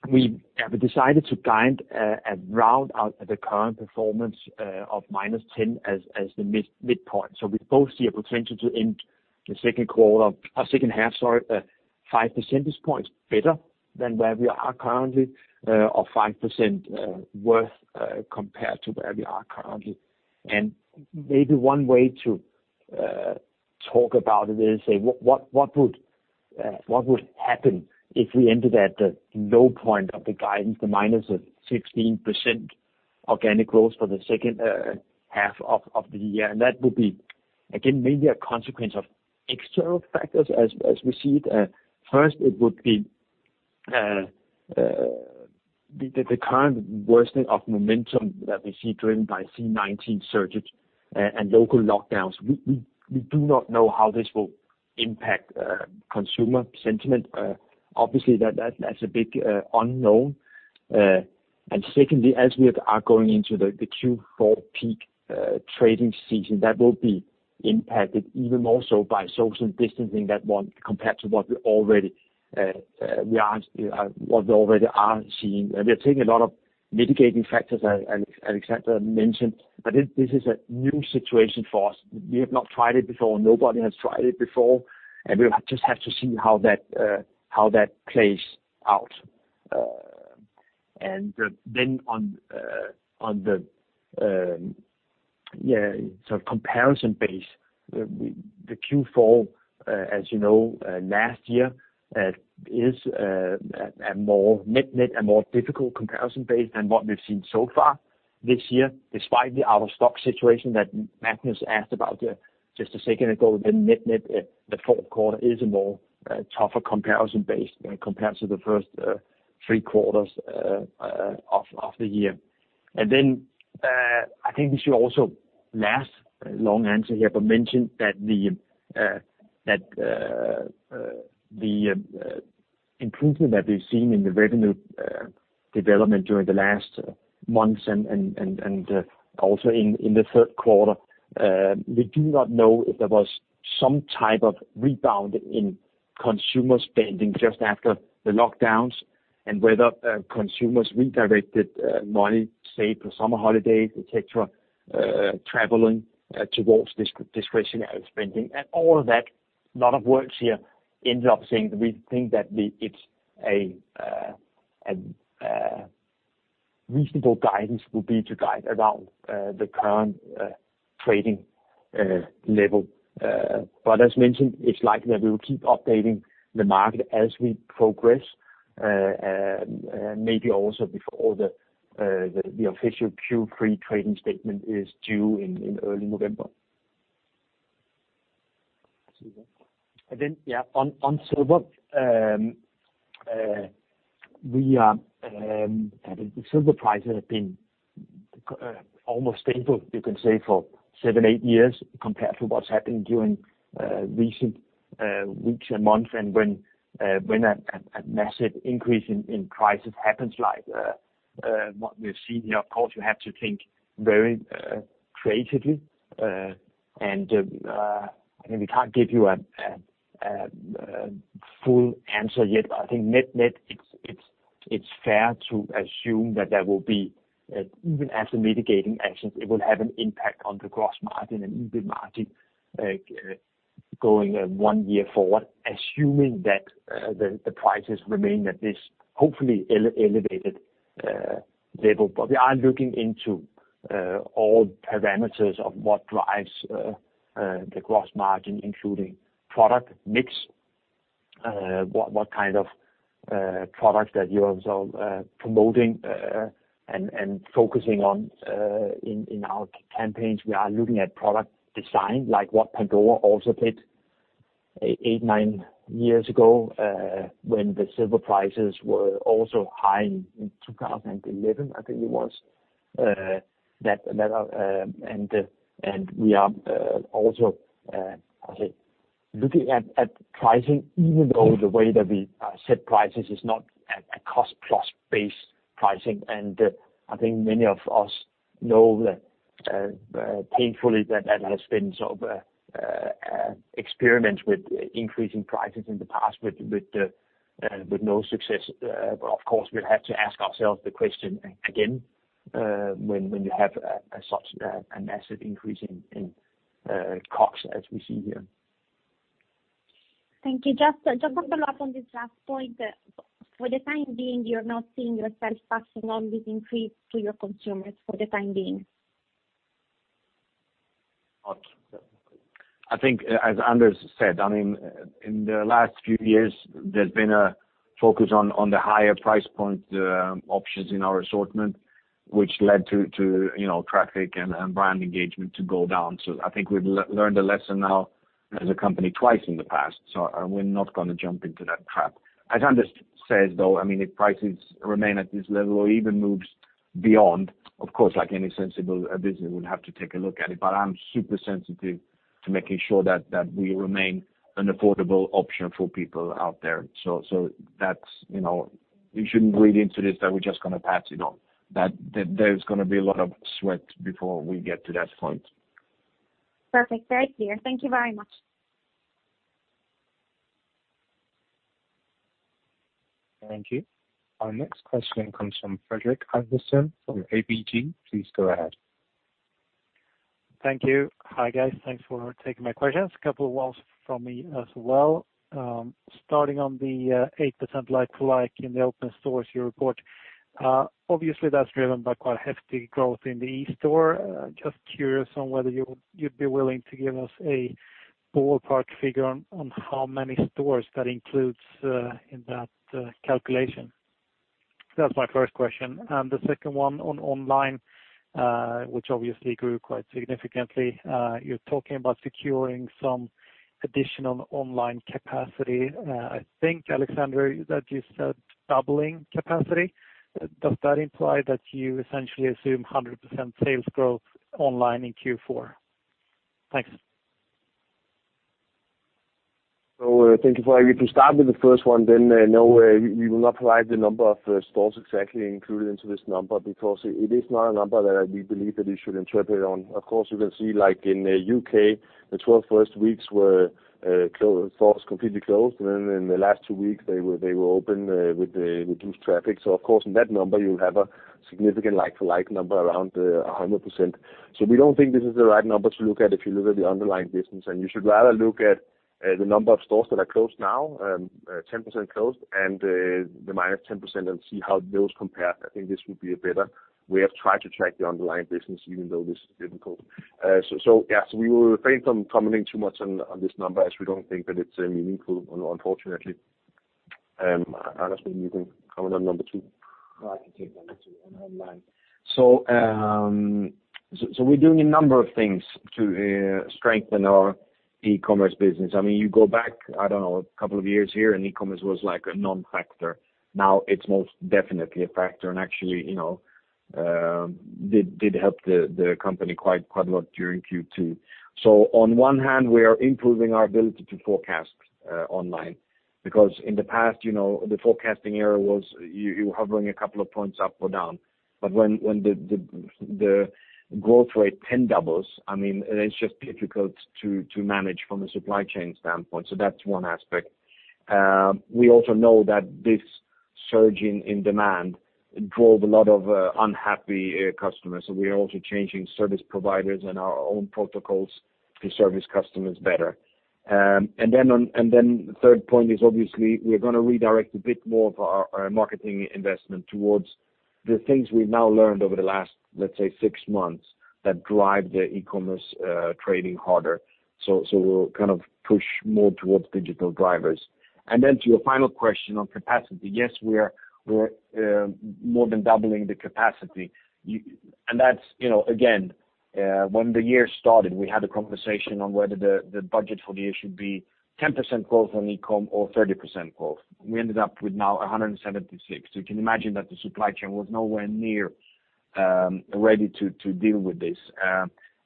We have decided to guide and round out the current performance of -10% as the midpoint. We both see a potential to end the second half, 5 percentage points better than where we are currently or 5% worse compared to where we are currently. Maybe one way to talk about it is say, what would happen if we ended at the low point of the guidance, the -16% organic growth for the second half of the year? That would be, again, maybe a consequence of external factors as we see it. First, it would be the current worsening of momentum that we see driven by C-19 surges and local lockdowns. We do not know how this will impact consumer sentiment. Obviously, that's a big unknown. Secondly, as we are going into the Q4 peak trading season, that will be impacted even more so by social distancing that won't compared to what we already are seeing. We are taking a lot of mitigating factors, as Alexander mentioned, but this is a new situation for us. We have not tried it before. Nobody has tried it before, we just have to see how that plays out. Then on the comparison base, the Q4, as you know, last year is a more difficult comparison base than what we've seen so far this year, despite the out-of-stock situation that Magnus asked about just a second ago. The net fourth quarter is a more tougher comparison base compared to the first three quarters of the year. I think we should also last, long answer here, but mention that the improvement that we've seen in the revenue development during the last months and also in the third quarter, we do not know if there was some type of rebound in consumer spending just after the lockdowns. Whether consumers redirected money saved for summer holidays, et cetera, traveling towards discretionary spending, and all of that, a lot of words here, ended up saying that we think that a reasonable guidance would be to guide around the current trading level. As mentioned, it's likely that we will keep updating the market as we progress, maybe also before the official Q3 trading statement is due in early November. Silver. Then, yeah, on silver. The silver prices have been almost stable, you can say, for seven, eight years compared to what's happened during recent weeks and months. When a massive increase in prices happens like what we've seen here, of course, you have to think very creatively. We can't give you a full answer yet, but I think net-net, it's fair to assume that there will be, even after mitigating actions, it will have an impact on the gross margin and EBIT margin, going one year forward, assuming that the prices remain at this hopefully elevated level. We are looking into all parameters of what drives the gross margin, including product mix, what kind of products that you are also promoting, and focusing on in our campaigns. We are looking at product design, like what Pandora also did eight, nine years ago, when the silver prices were also high in 2011, I think it was. We are also looking at pricing, even though the way that we set prices is not a cost-plus based pricing. I think many of us know that painfully, that has been sort of experiments with increasing prices in the past with no success. Of course, we'll have to ask ourselves the question again, when you have such a massive increase in costs as we see here. Thank you. Just to follow up on this last point, for the time being, you're not seeing yourself passing on this increase to your consumers for the time being? I think, as Anders said, in the last few years, there's been a focus on the higher price point options in our assortment, which led to traffic and brand engagement to go down. I think we've learned a lesson now as a company twice in the past, so we're not going to jump into that trap. As Anders says, though, if prices remain at this level or even moves beyond, of course, like any sensible business, we'll have to take a look at it. I'm super sensitive to making sure that we remain an affordable option for people out there. You shouldn't read into this that we're just going to pass it on. There's going to be a lot of sweat before we get to that point. Perfect. Very clear. Thank you very much. Thank you. Our next question comes from Fredrik Ivarsson from ABG. Please go ahead. Thank you. Hi, guys. Thanks for taking my questions. A couple of ones from me as well. Starting on the 8% like-for-like in the open stores you report. Obviously, that's driven by quite hefty growth in the e-store. Just curious on whether you'd be willing to give us a ballpark figure on how many stores that includes in that calculation. That's my first question. The second one on online, which obviously grew quite significantly. You're talking about securing some additional online capacity. I think, Alexander, that you said doubling capacity. Does that imply that you essentially assume 100% sales growth online in Q4? Thanks. Thank you, Fredrik. To start with the first one, no, we will not provide the number of stores exactly included into this number because it is not a number that we believe that you should interpret on. Of course, you can see like in the U.K., the 12 first weeks were stores completely closed. In the last two weeks, they were open with reduced traffic. Of course, in that number, you'll have a significant like-for-like number around 100%. We don't think this is the right number to look at if you look at the underlying business. You should rather look at the number of stores that are closed now, 10% closed, and the -10% and see how those compare. I think this would be a better way of trying to track the underlying business, even though this is difficult. Yeah. We will refrain from commenting too much on this number as we don't think that it's meaningful, unfortunately. Anders, what do you think? Comment on number two. I can take number two on online. We're doing a number of things to strengthen our e-commerce business. You go back, I don't know, a couple of years here, e-commerce was like a non-factor. Now it's most definitely a factor, actually did help the company quite a lot during Q2. On one hand, we are improving our ability to forecast online, because in the past, the forecasting error was you hovering a couple of points up or down. When the growth rate 10 doubles, it's just difficult to manage from a supply chain standpoint. That's one aspect. We also know that this surging in demand drove a lot of unhappy customers. We are also changing service providers and our own protocols to service customers better. The third point is obviously we're going to redirect a bit more of our marketing investment towards the things we've now learned over the last, let's say, six months that drive the e-commerce trading harder. We'll push more towards digital drivers. To your final question on capacity. Yes, we're more than doubling the capacity. When the year started, we had a conversation on whether the budget for the year should be 10% growth on e-com or 30% growth. We ended up with now 176. You can imagine that the supply chain was nowhere near ready to deal with this.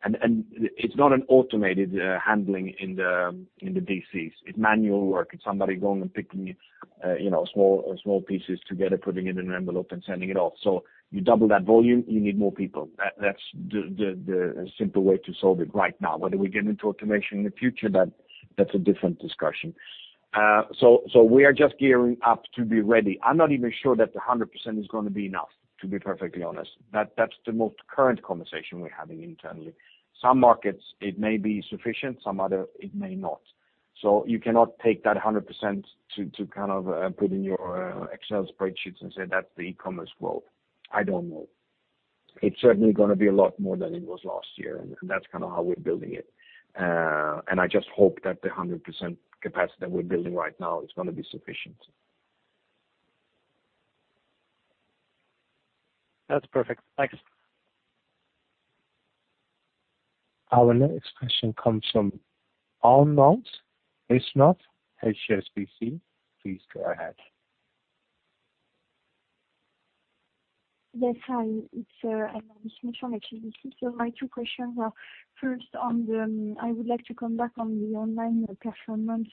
It's not an automated handling in the DCs. It's manual work. It's somebody going and picking small pieces together, putting it in an envelope and sending it off. You double that volume, you need more people. That's the simple way to solve it right now. Whether we get into automation in the future, that's a different discussion. We are just gearing up to be ready. I'm not even sure that the 100% is going to be enough, to be perfectly honest. That's the most current conversation we're having internally. Some markets, it may be sufficient, some other, it may not. You cannot take that 100% to put in your Excel spreadsheets and say that's the e-commerce growth. I don't know. It's certainly going to be a lot more than it was last year, and that's how we're building it. I just hope that the 100% capacity that we're building right now is going to be sufficient. That's perfect. Thanks. Our next question comes from Anne-Laure Bismuth, HSBC. Please go ahead. My two questions are, first, I would like to come back on the online performance,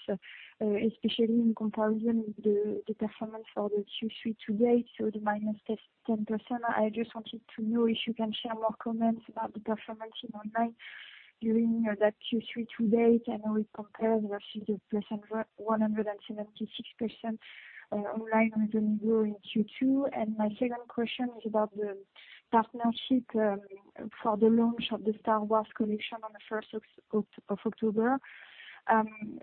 especially in comparison with the performance for the Q3 to date, so the -10%. I just wanted to know if you can share more comments about the performance in online during that Q3 to date. I know it compares versus the 176% online with the new growth in Q2. My second question is about the partnership for the launch of the Star Wars collection on the 1st of October.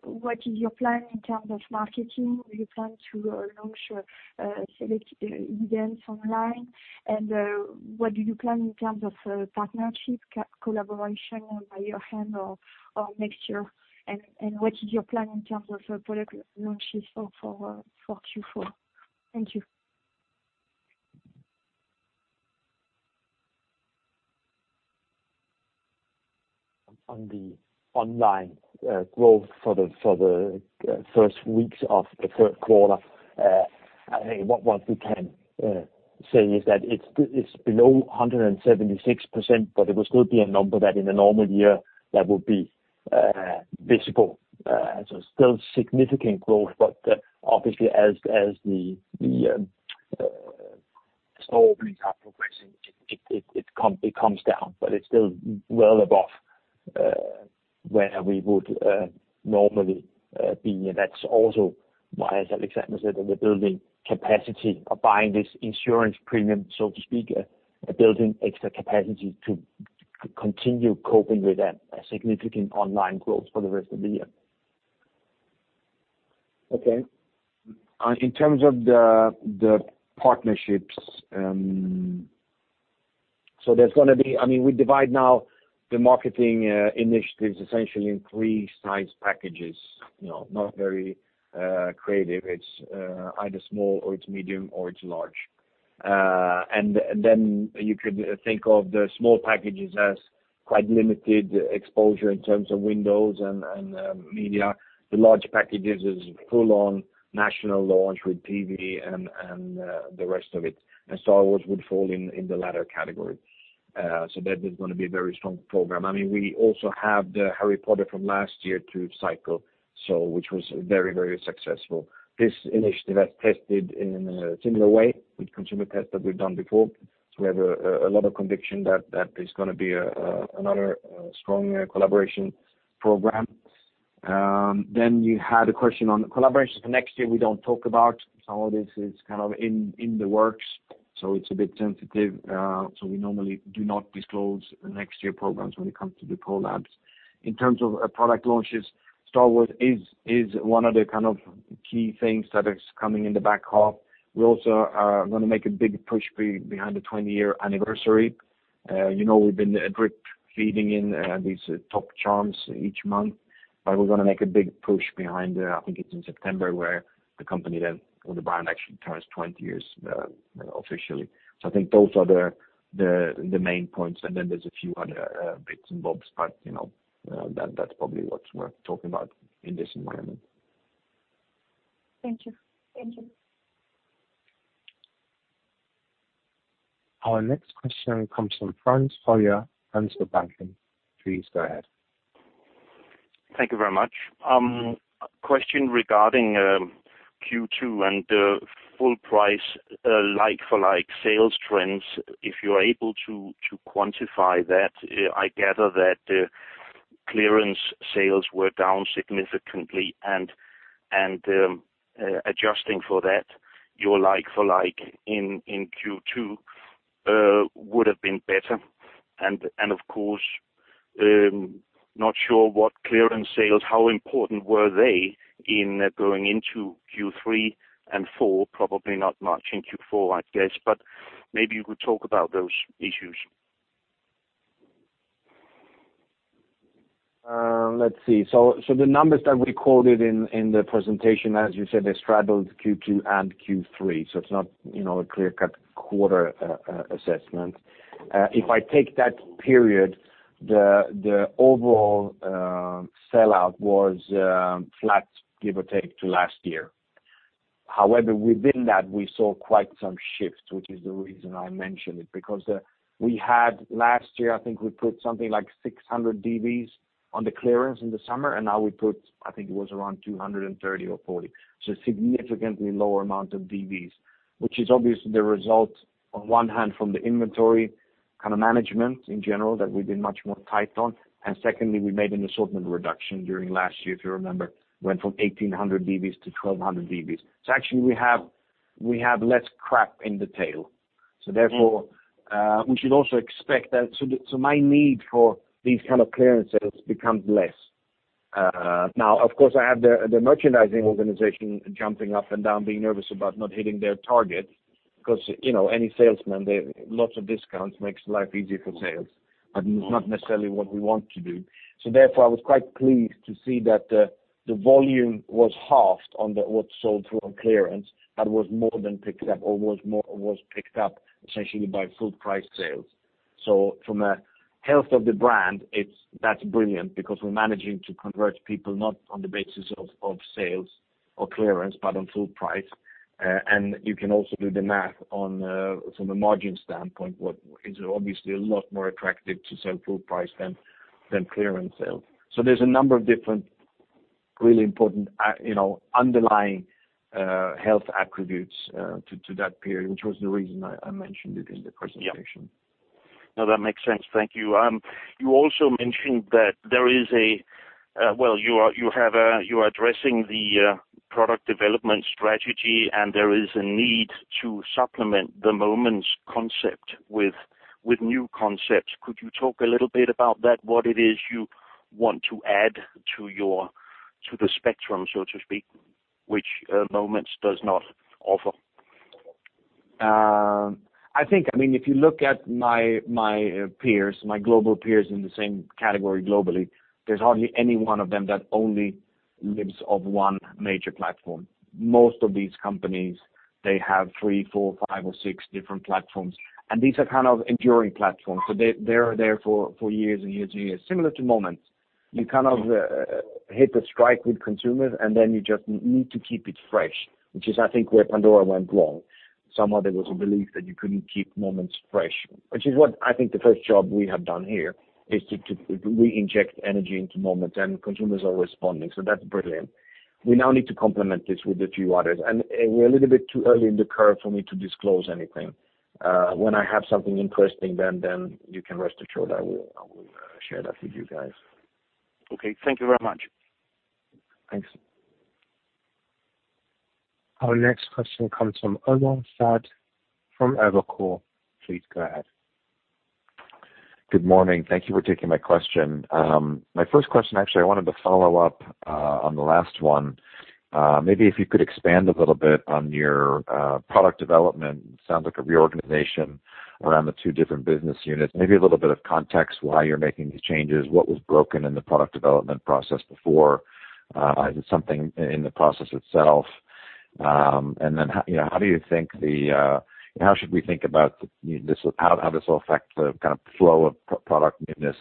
What is your plan in terms of marketing? Do you plan to launch select events online? What do you plan in terms of partnership collaboration by your hand or next year? What is your plan in terms of product launches for Q4? Thank you. On the online growth for the first weeks of the third quarter, I think what we can say is that it's below 176%, but it will still be a number that in a normal year that would be visible. Still significant growth, but obviously as the store openings are progressing, it comes down. It's still well above where we would normally be. That's also why, as Alexander said, that we're building capacity or buying this insurance premium, so to speak, building extra capacity to continue coping with that significant online growth for the rest of the year. Okay. In terms of the partnerships, we divide now the marketing initiatives essentially in three size packages. Not very creative. It's either small or it's medium or it's large. You could think of the small packages as quite limited exposure in terms of windows and media. The large packages is full on national launch with TV and the rest of it, and Star Wars would fall in the latter category. That is going to be a very strong program. We also have the Harry Potter from last year to cycle, which was very successful. This initiative has tested in a similar way with consumer tests that we've done before. We have a lot of conviction that that is going to be another strong collaboration program. You had a question on the collaborations for next year. We don't talk about some of this is in the works, so it's a bit sensitive. We normally do not disclose next year programs when it comes to the collabs. In terms of product launches, Star Wars is one of the key things that is coming in the back half. We also are going to make a big push behind the 20-year anniversary. You know we've been drip-feeding in these top charms each month. We're going to make a big push behind, I think it's in September, where the company then, or the brand actually turns 20 years officially. I think those are the main points, and then there's a few other bits and bobs, but that's probably what we're talking about in this environment. Thank you. Our next question comes from Frans Hoyer, Svenska Handelsbanken. Please go ahead. Thank you very much. Question regarding Q2 and the full price like-for-like sales trends, if you are able to quantify that. I gather that Clearance sales were down significantly, and adjusting for that, your like-for-like in Q2 would have been better. Of course, not sure what clearance sales, how important were they in going into Q3 and Q4? Probably not much in Q4, I'd guess. Maybe you could talk about those issues. Let's see. The numbers that we quoted in the presentation, as you said, they straddled Q2 and Q3. It's not a clear-cut quarter assessment. If I take that period, the overall sellout was flat, give or take, to last year. However, within that, we saw quite some shifts, which is the reason I mentioned it, because we had last year, I think we put something like 600 DSD on the clearance in the summer, and now we put, I think it was around 230 or 40. Significantly lower amount of DSD, which is obviously the result on one hand from the inventory management in general that we've been much more tight on. Secondly, we made an assortment reduction during last year, if you remember, went from 1,800 DSD to 1,200 DSD. Actually we have less crap in the tail. Therefore, we should also expect that my need for these kind of clearance sales becomes less. Of course, I have the merchandising organization jumping up and down, being nervous about not hitting their target because any salesman, lots of discounts makes life easier for sales, but it's not necessarily what we want to do. Therefore, I was quite pleased to see that the volume was halved on what sold through on clearance. That was more than picked up or was picked up essentially by full price sales. From a health of the brand, that's brilliant because we're managing to convert people not on the basis of sales or clearance, but on full price. You can also do the math from a margin standpoint. It's obviously a lot more attractive to sell full price than clearance sales. There's a number of different really important underlying health attributes to that period, which was the reason I mentioned it in the presentation. Yeah. No, that makes sense. Thank you. You also mentioned that well, you are addressing the product development strategy, and there is a need to supplement the Moments concept with new concepts. Could you talk a little bit about that, what it is you want to add to the spectrum, so to speak, which Moments does not offer? I think, if you look at my peers, my global peers in the same category globally, there's hardly any one of them that only lives of one major platform. Most of these companies, they have three, four, five or six different platforms, and these are kind of enduring platforms. They're there for years and years and years. Similar to Moments. You kind of hit a strike with consumers, and then you just need to keep it fresh, which is, I think, where Pandora went wrong. Somehow there was a belief that you couldn't keep Moments fresh, which is what I think the first job we have done here is to reinject energy into Moments, and consumers are responding, so that's brilliant. We now need to complement this with a few others, and we're a little bit too early in the curve for me to disclose anything. When I have something interesting, then you can rest assured I will share that with you guys. Okay. Thank you very much. Thanks. Our next question comes from Omar Saad from Evercore. Please go ahead. Good morning. Thank you for taking my question. My first question, actually, I wanted to follow up on the last one. Maybe if you could expand a little bit on your product development. Sounds like a reorganization around the two different business units. Maybe a little bit of context why you're making these changes. What was broken in the product development process before? Is it something in the process itself? How should we think about how this will affect the kind of flow of product newness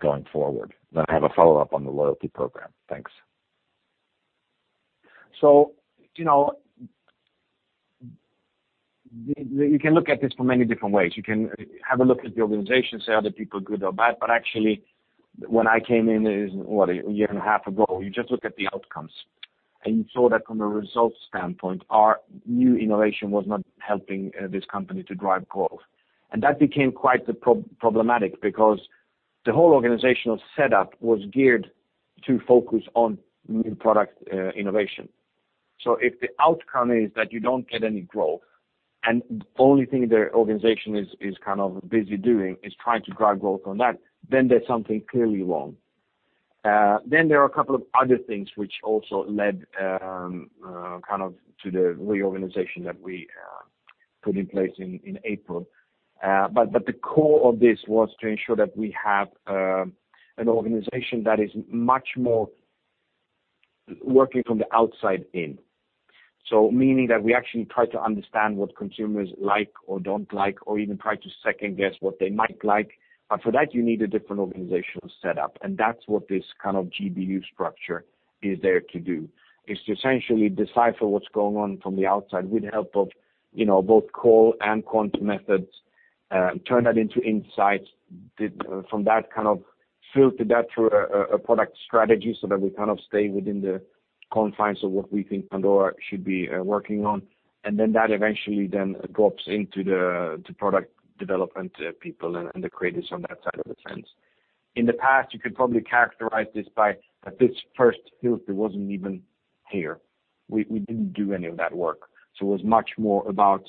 going forward? I have a follow-up on the loyalty program. Thanks. You can look at this from many different ways. You can have a look at the organization, say, are the people good or bad? Actually, when I came in, it was, what, a year and a half ago? You just look at the outcomes, and you saw that from a results standpoint, our new innovation was not helping this company to drive growth. That became quite problematic because the whole organizational setup was geared to focus on new product innovation. If the outcome is that you don't get any growth, and the only thing the organization is kind of busy doing is trying to drive growth on that, there's something clearly wrong. There are a couple of other things which also led kind of to the reorganization that we put in place in April. The core of this was to ensure that we have an organization that is much more working from the outside in. Meaning that we actually try to understand what consumers like or don't like or even try to second guess what they might like. For that, you need a different organizational setup. That's what this kind of GBU structure is there to do, is to essentially decipher what's going on from the outside with the help of both call and quant methods. Turn that into insights. From that, kind of filter that through a product strategy so that we kind of stay within the confines of what we think Pandora should be working on. That eventually then drops into the product development people and the creatives on that side of the fence. In the past, you could probably characterize this by that this first filter wasn't even here. We didn't do any of that work. It was much more about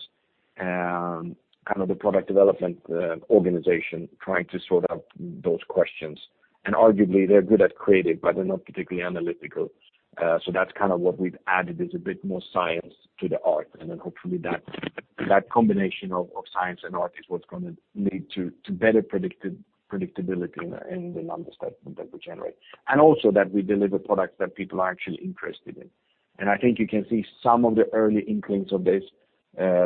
the product development organization trying to sort out those questions. Arguably, they're good at creative, but they're not particularly analytical. That's what we've added, is a bit more science to the art, and then hopefully that combination of science and art is what's going to lead to better predictability in the numbers that we generate. Also that we deliver products that people are actually interested in. I think you can see some of the early inklings of this,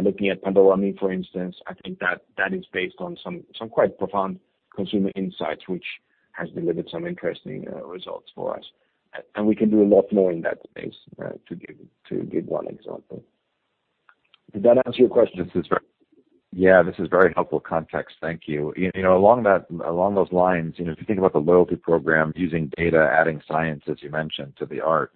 looking at Pandora ME, for instance. I think that is based on some quite profound consumer insights, which has delivered some interesting results for us. We can do a lot more in that space, to give one example. Did that answer your question? Yeah, this is very helpful context. Thank you. Along those lines, if you think about the loyalty program, using data, adding science, as you mentioned, to the art.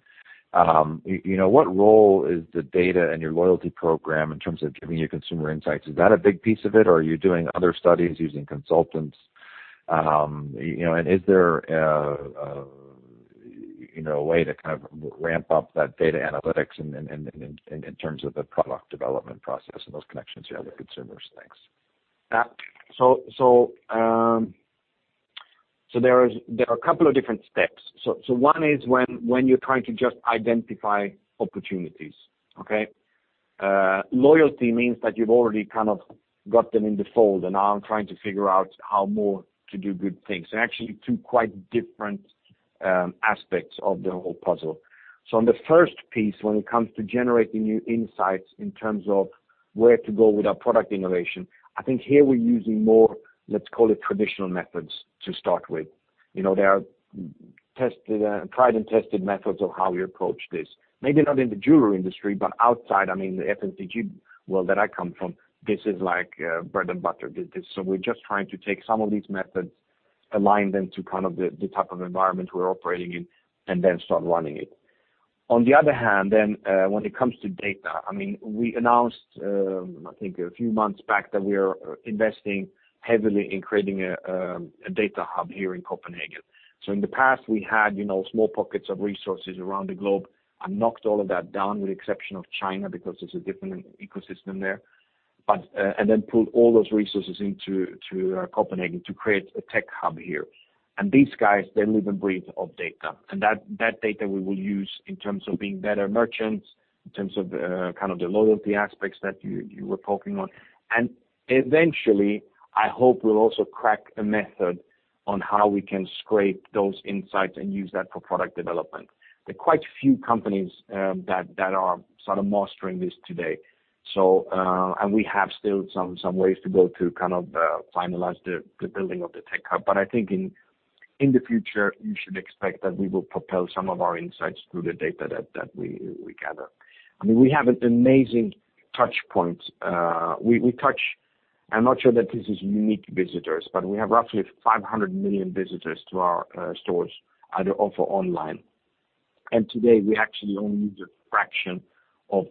What role is the data and your loyalty program in terms of giving you consumer insights? Is that a big piece of it or are you doing other studies using consultants? Is there a way to ramp up that data analytics in terms of the product development process and those connections you have with consumers? Thanks. There are a couple of different steps. One is when you're trying to just identify opportunities, okay? Loyalty means that you've already got them in the fold, and now I'm trying to figure out how more to do good things. Actually two quite different aspects of the whole puzzle. On the first piece, when it comes to generating new insights in terms of where to go with our product innovation, I think here we're using more, let's call it traditional methods to start with. There are tried and tested methods of how we approach this. Maybe not in the jewelry industry, but outside, I mean, the FMCG world that I come from, this is like bread and butter. We're just trying to take some of these methods, align them to the type of environment we're operating in, and then start running it. On the other hand, when it comes to data, we announced, I think a few months back, that we are investing heavily in creating a data hub here in Copenhagen. In the past, we had small pockets of resources around the globe and knocked all of that down with the exception of China, because it's a different ecosystem there. Pulled all those resources into Copenhagen to create a tech hub here. These guys, they live and breathe off data. That data we will use in terms of being better merchants, in terms of the loyalty aspects that you were poking on. Eventually, I hope we'll also crack a method on how we can scrape those insights and use that for product development. There are quite few companies that are sort of mastering this today. We have still some ways to go to finalize the building of the tech hub. I think in the future, you should expect that we will propel some of our insights through the data that we gather. We have an amazing touch point. I'm not sure that this is unique visitors, but we have roughly 500 million visitors to our stores, either off or online. Today, we actually only use a fraction of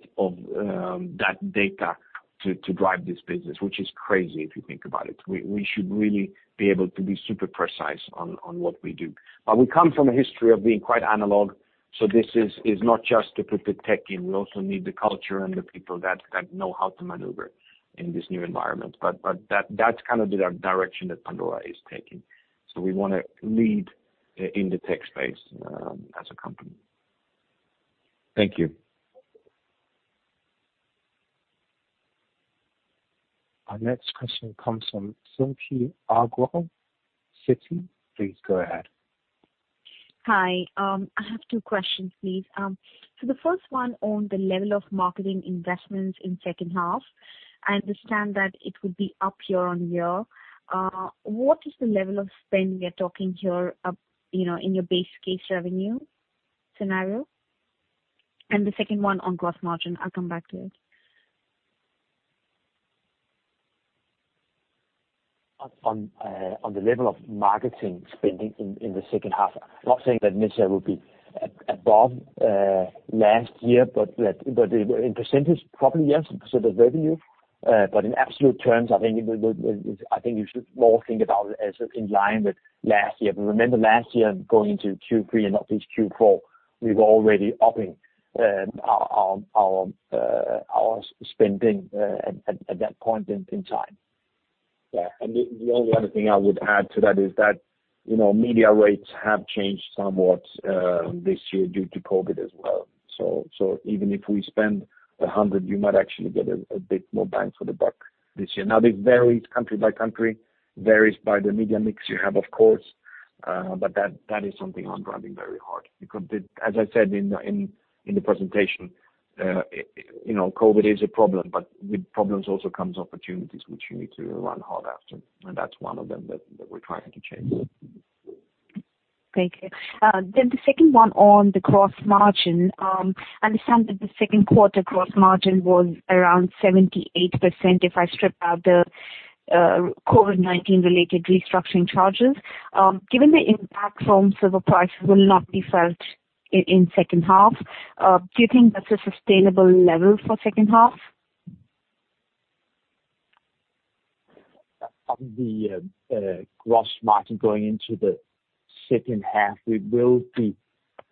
that data to drive this business, which is crazy if you think about it. We should really be able to be super precise on what we do. We come from a history of being quite analog, so this is not just to put the tech in. We also need the culture and the people that know how to maneuver in this new environment. That's the direction that Pandora is taking. We want to lead in the tech space as a company. Thank you. Our next question comes from [Simpi Aggarwal] Citi. Please go ahead. Hi. I have two questions, please. The first one on the level of marketing investments in second half. I understand that it will be up year-on-year. What is the level of spend we are talking here in your base case revenue scenario? The second one on gross margin. I'll come back to it. On the level of marketing spending in the second half, I'm not saying that mixture will be above last year. In percentage, probably yes, percent of revenue. In absolute terms, I think you should more think about it as in line with last year. Remember last year going into Q3 and at least Q4, we were already upping our spending at that point in time. The only other thing I would add to that is that media rates have changed somewhat this year due to COVID as well. Even if we spend 100, you might actually get a bit more bang for the buck this year. Now, this varies country by country, varies by the media mix you have, of course, but that is something I'm driving very hard. As I said in the presentation, COVID is a problem, but with problems also comes opportunities which you need to run hard after, and that's one of them that we're trying to chase. Thank you. The second one on the gross margin. I understand that the second quarter gross margin was around 78%, if I strip out COVID-19 related restructuring charges. Given the impact from silver prices will not be felt in second half, do you think that's a sustainable level for second half? On the gross margin going into the second half, we will be,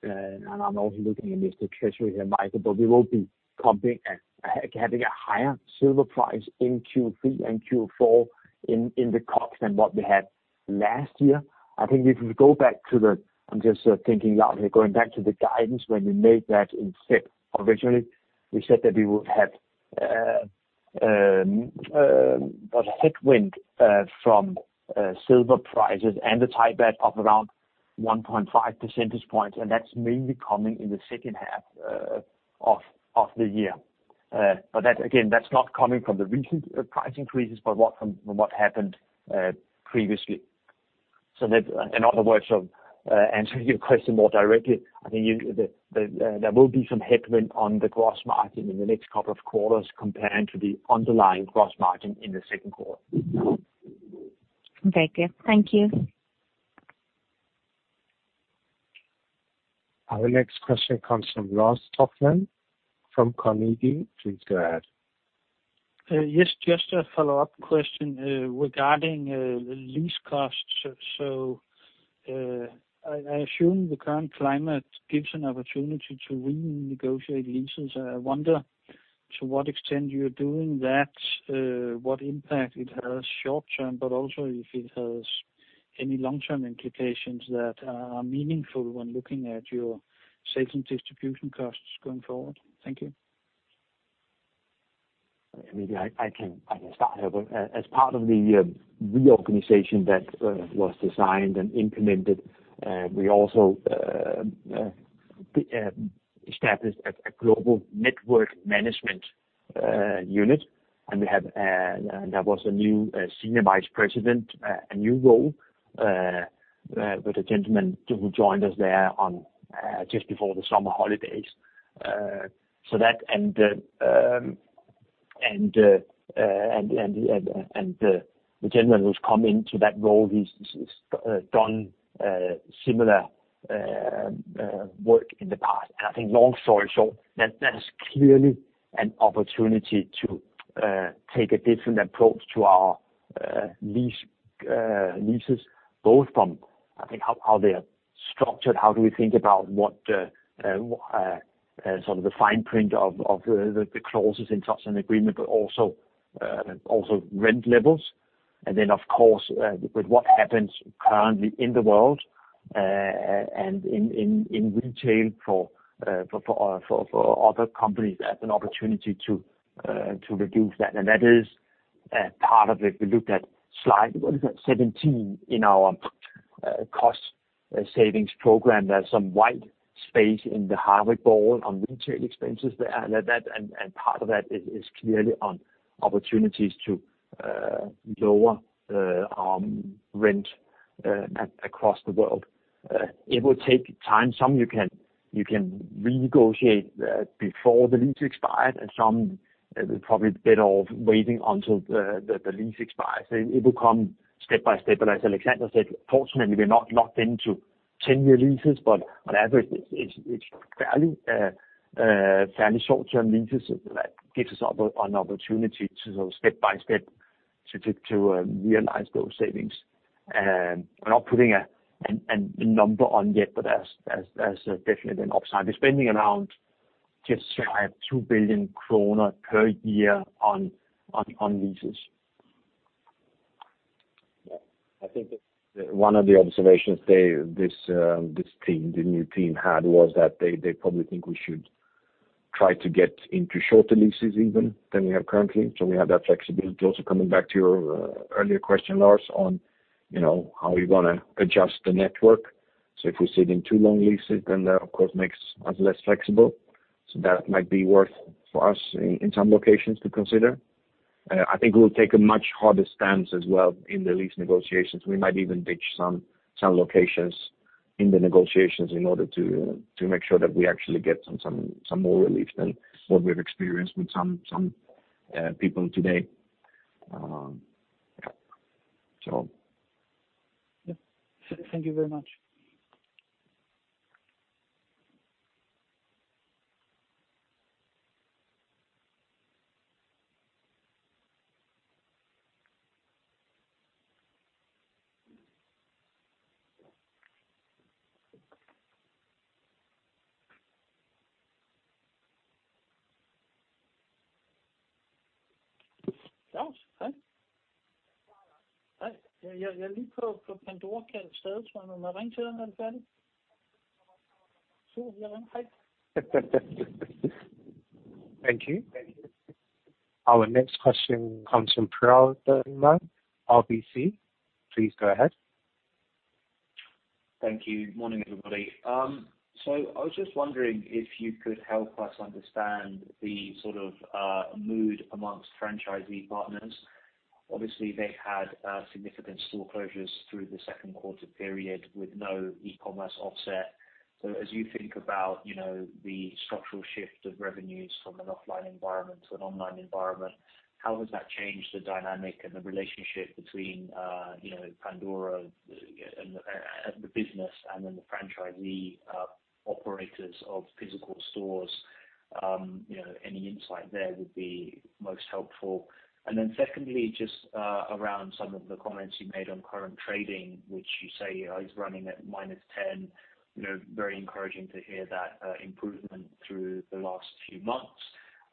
and I'm also looking at Mr. Treasury here, Michael, but we will be having a higher silver price in Q3 and Q4 in the COGS than what we had last year. I think if we go back to the, I'm just thinking out here, going back to the guidance when we made that in fifth originally, we said that we would have a headwind from silver prices and the Thai baht of around 1.5 percentage points, and that's mainly coming in the second half of the year. Again, that's not coming from the recent price increases, but from what happened previously. In other words, answering your question more directly, I think there will be some headwind on the gross margin in the next couple of quarters comparing to the underlying gross margin in the second quarter. Very good. Thank you. Our next question comes from Lars Topholm from Carnegie. Please go ahead. Yes, just a follow-up question regarding lease costs. I assume the current climate gives an opportunity to renegotiate leases. I wonder, to what extent you're doing that, what impact it has short term, but also if it has any long-term implications that are meaningful when looking at your sales and distribution costs going forward. Thank you. I can start here. As part of the reorganization that was designed and implemented, we also established a global network management unit. There was a new Senior Vice President, a new role, with a gentleman who joined us there just before the summer holidays. The gentleman who has come into that role, he has done similar work in the past. I think long story short, that is clearly an opportunity to take a different approach to our leases, both from, I think, how they are structured, how do we think about what the fine print of the clauses in such an agreement, but also rent levels. Of course, with what happens currently in the world, and in retail for other companies as an opportunity to reduce that. That is part of it. We looked at slide 17 in our cost savings program. There's some white space in the Harvard bowl on retail expenses, part of that is clearly on opportunities to lower our rent across the world. It will take time. Some you can renegotiate before the lease expires, some probably better off waiting until the lease expires. It will come step by step. As Alexander said, fortunately, we're not locked into 10-year leases, on average, it's fairly short-term leases that gives us an opportunity to step by step to realize those savings. We're not putting a number on yet, that's definitely an upside. We're spending around just 2 billion kroner per year on leases. Yeah. I think one of the observations this team, the new team, had was that they probably think we should try to get into shorter leases even than we have currently. We have that flexibility. Also, coming back to your earlier question, Lars, on how we want to adjust the network. If we sit in too long leases, that of course, makes us less flexible. That might be worth for us in some locations to consider. I think we'll take a much harder stance as well in the lease negotiations. We might even ditch some locations in the negotiations in order to make sure that we actually get some more relief than what we've experienced with some people today. Yeah. Thank you very much. Thank you. Our next question comes from Piral Dadhania from RBC. Please go ahead. Thank you. Morning, everybody. I was just wondering if you could help us understand the sort of mood amongst franchisee partners. Obviously, they've had significant store closures through the second quarter with no e-commerce offset. As you think about the structural shift of revenues from an offline environment to an online environment, how does that change the dynamic and the relationship between Pandora as the business and then the franchisee operators of physical stores? Any insight there would be most helpful. Secondly, just around some of the comments you made on current trading, which you say is running at -10%. Very encouraging to hear that improvement through the last few months.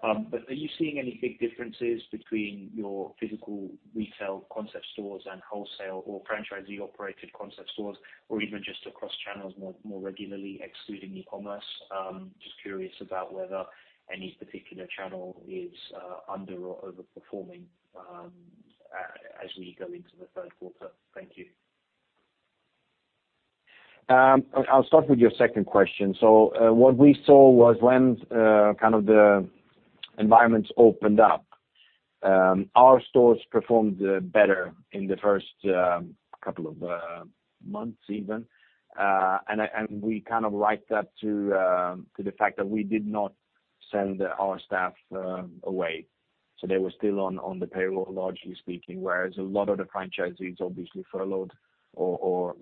Are you seeing any big differences between your physical retail concept stores and wholesale or franchisee-operated concept stores, or even just across channels more regularly excluding e-commerce? Just curious about whether any particular channel is under or over-performing as we go into the third quarter. Thank you. What we saw was when the environments opened up, our stores performed better in the first couple of months even. We write that to the fact that we did not send our staff away. They were still on the payroll, largely speaking, whereas a lot of the franchisees obviously furloughed or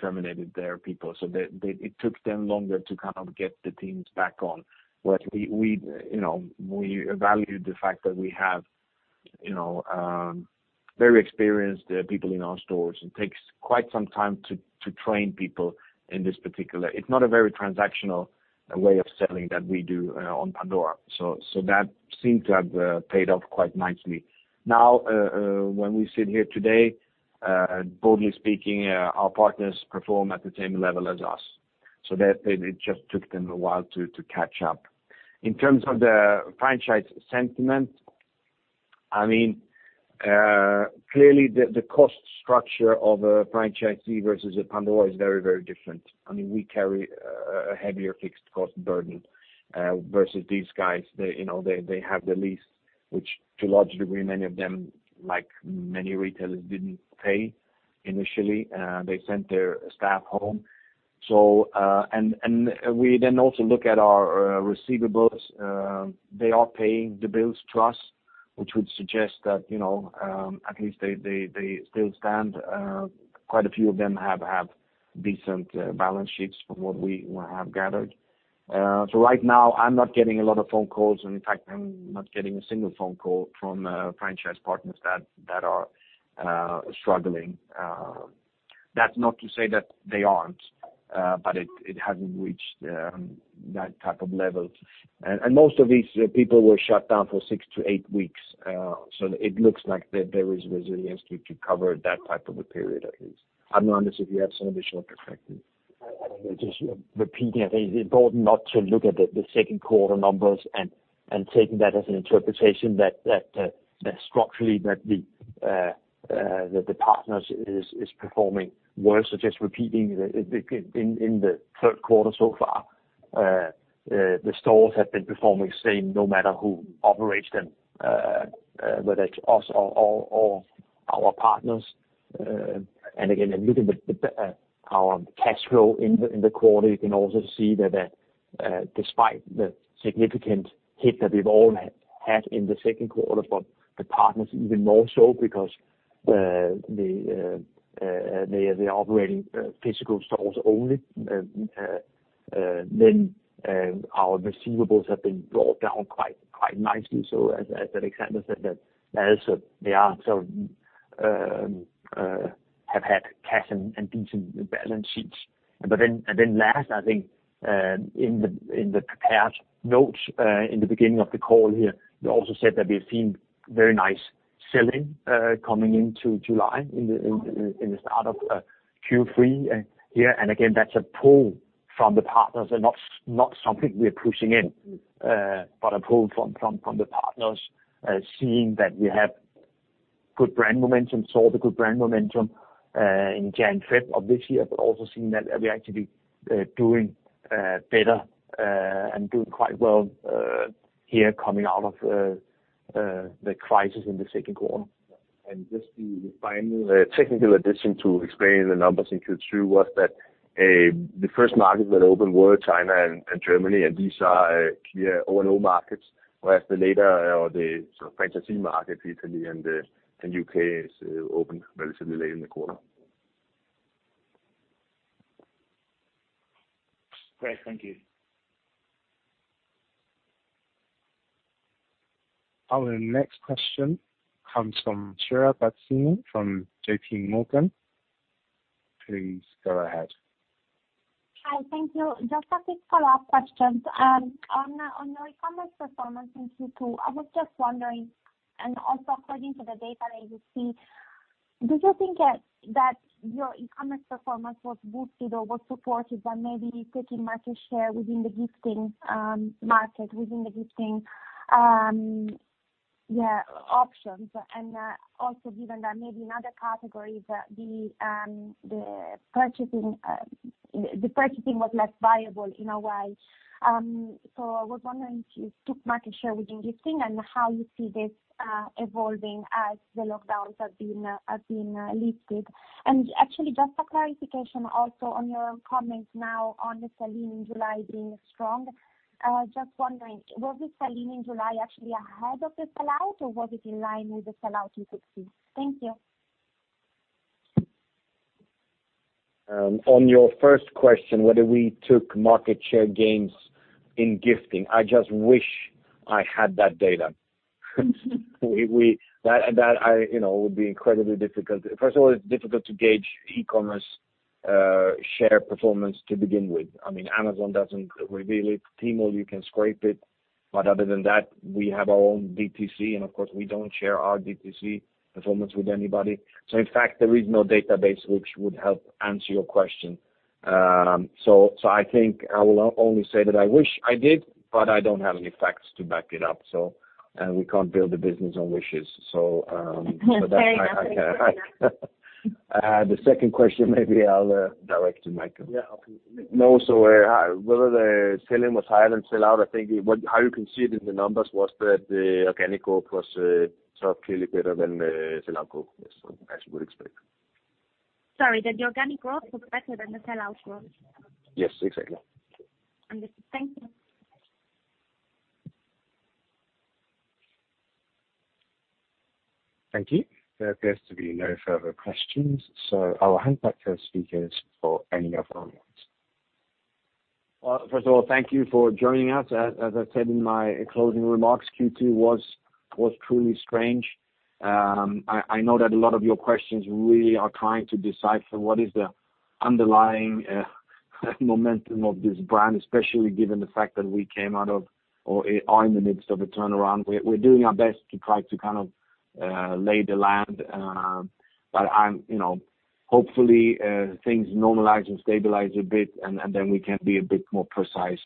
terminated their people. It took them longer to get the teams back on. Whereas we value the fact that we have very experienced people in our stores, it takes quite some time to train people in this particular. It's not a very transactional way of selling that we do on Pandora. That seemed to have paid off quite nicely. Now, when we sit here today, broadly speaking, our partners perform at the same level as us. It just took them a while to catch up. In terms of the franchise sentiment, clearly the cost structure of a franchisee versus a Pandora is very different. We carry a heavier fixed cost burden versus these guys. They have the lease, which to a large degree, many of them, like many retailers, didn't pay initially. They sent their staff home. We then also look at our receivables. They are paying the bills to us, which would suggest that at least they still stand. Quite a few of them have decent balance sheets from what we have gathered. Right now, I'm not getting a lot of phone calls, and in fact, I'm not getting a single phone call from franchise partners that are struggling. That's not to say that they aren't, but it hasn't reached that type of level. Most of these people were shut down for six to eight weeks, so it looks like there is resilience to cover that type of a period, at least. Anders, if you have some additional perspective. Just repeating, I think it's important not to look at the second quarter numbers and taking that as an interpretation that structurally that the partners is performing worse. Just repeating, in the third quarter so far, the stores have been performing the same no matter who operates them, whether it's us or our partners. Again, looking at our cash flow in the quarter, you can also see that despite the significant hit that we've all had in the second quarter, but the partners even more so because they are operating physical stores only. Our receivables have been brought down quite nicely. As Alexander said, they also have had cash and decent balance sheets. Last, I think, in the prepared notes in the beginning of the call here, we also said that we've seen very nice selling coming into July in the start of Q3 here. Again, that's a pull from the partners and not something we're pushing in, but a pull from the partners seeing that we have good brand momentum, saw the good brand momentum in January, February of this year, but also seeing that we are actually doing better and doing quite well here coming out of the crisis in the second quarter. Just the final technical addition to explain the numbers in Q2 was that the first markets that opened were China and Germany, and these are clear O&O markets, whereas the later or the sort of franchisee market, Italy and U.K., opened relatively late in the quarter. Great. Thank you. Our next question comes from Chiara Battistini from JPMorgan. Please go ahead. Hi, thank you. Just a quick follow-up question. On your e-commerce performance in Q2, I was just wondering, and also according to the data that you see, do you think that your e-commerce performance was boosted or was supported by maybe taking market share within the gifting market, within the gifting options. Also given that maybe in other categories, the purchasing was less viable in a way. I was wondering if you took market share within gifting and how you see this evolving as the lockdowns have been lifted. Actually just a clarification also on your comment now on the sell-in in July being strong. Just wondering, was the sell-in July actually ahead of the sell-out, or was it in line with the sell-out in Q2? Thank you. On your first question, whether we took market share gains in gifting. I just wish I had that data. That would be incredibly difficult. First of all, it's difficult to gauge e-commerce share performance to begin with. Amazon doesn't reveal it. Tmall, you can scrape it, but other than that, we have our own DTC, and of course, we don't share our DTC performance with anybody. In fact, there is no database which would help answer your question. I think I will only say that I wish I did, but I don't have any facts to back it up. We can't build a business on wishes. Fair enough. The second question, maybe I'll direct to Michael. Yeah. No. Whether the sell-in was higher than sell-out, I think how you can see it in the numbers was that the organic growth was clearly better than the sell-out growth. As you would expect. Sorry, that the organic growth was better than the sell-out growth? Yes, exactly. Understood. Thank you. Thank you. There appears to be no further questions, so I'll hand back to our speakers for any other remarks. First of all, thank you for joining us. As I said in my closing remarks, Q2 was truly strange. I know that a lot of your questions really are trying to decipher what is the underlying momentum of this brand, especially given the fact that we came out of, or are in the midst of a turnaround. We're doing our best to try to lay the land. Hopefully, things normalize and stabilize a bit, and then we can be a bit more precise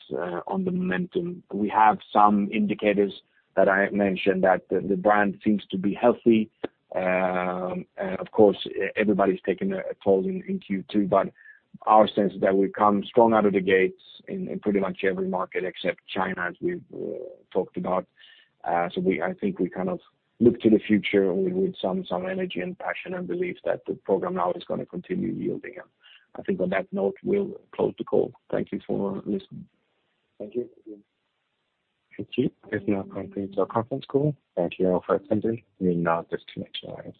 on the momentum. We have some indicators that I mentioned that the brand seems to be healthy. Of course, everybody's taking a toll in Q2, but our sense is that we've come strong out of the gates in pretty much every market except China, as we've talked about. I think we look to the future with some energy and passion and belief that the Programme NOW is going to continue yielding. I think on that note, we'll close the call. Thank you for listening. Thank you. Thank you. This now concludes our conference call. Thank you all for attending. You may now disconnect your lines.